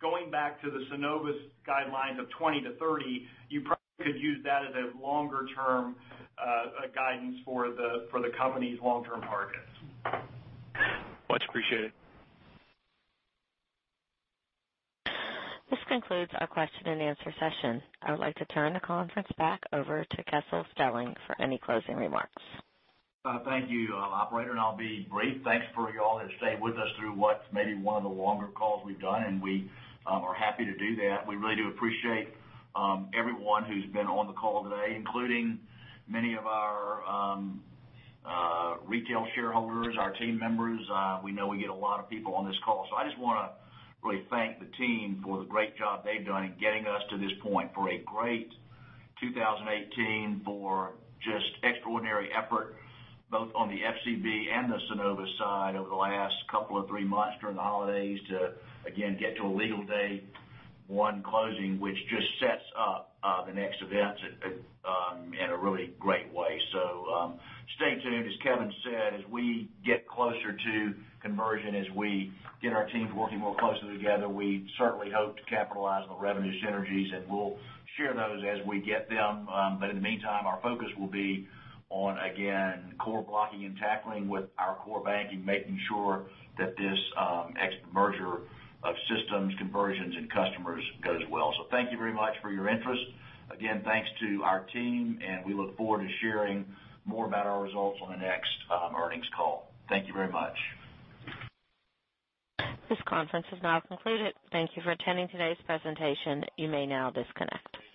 Speaker 5: Going back to the Synovus guidelines of 20-30, you probably could use that as a longer-term guidance for the company's long-term targets.
Speaker 18: Much appreciated.
Speaker 1: This concludes our question and answer session. I would like to turn the conference back over to Kessel Stelling for any closing remarks.
Speaker 3: Thank you, Operator. I'll be brief. Thanks for y'all that stayed with us through what's maybe one of the longer calls we've done. We are happy to do that. We really do appreciate everyone who's been on the call today, including many of our retail shareholders, our team members. We know we get a lot of people on this call. I just want to really thank the team for the great job they've done in getting us to this point for a great 2018, for just extraordinary effort, both on the FCB and the Synovus side over the last couple of three months during the holidays to, again, get to a legal day one closing, which just sets up the next events in a really great way. Stay tuned. As Kevin said, as we get closer to conversion, as we get our teams working more closely together, we certainly hope to capitalize on the revenue synergies, and we'll share those as we get them. In the meantime, our focus will be on, again, core blocking and tackling with our core banking, making sure that this merger of systems, conversions, and customers goes well. Thank you very much for your interest. Again, thanks to our team, and we look forward to sharing more about our results on the next earnings call. Thank you very much.
Speaker 1: This conference is now concluded. Thank you for attending today's presentation. You may now disconnect.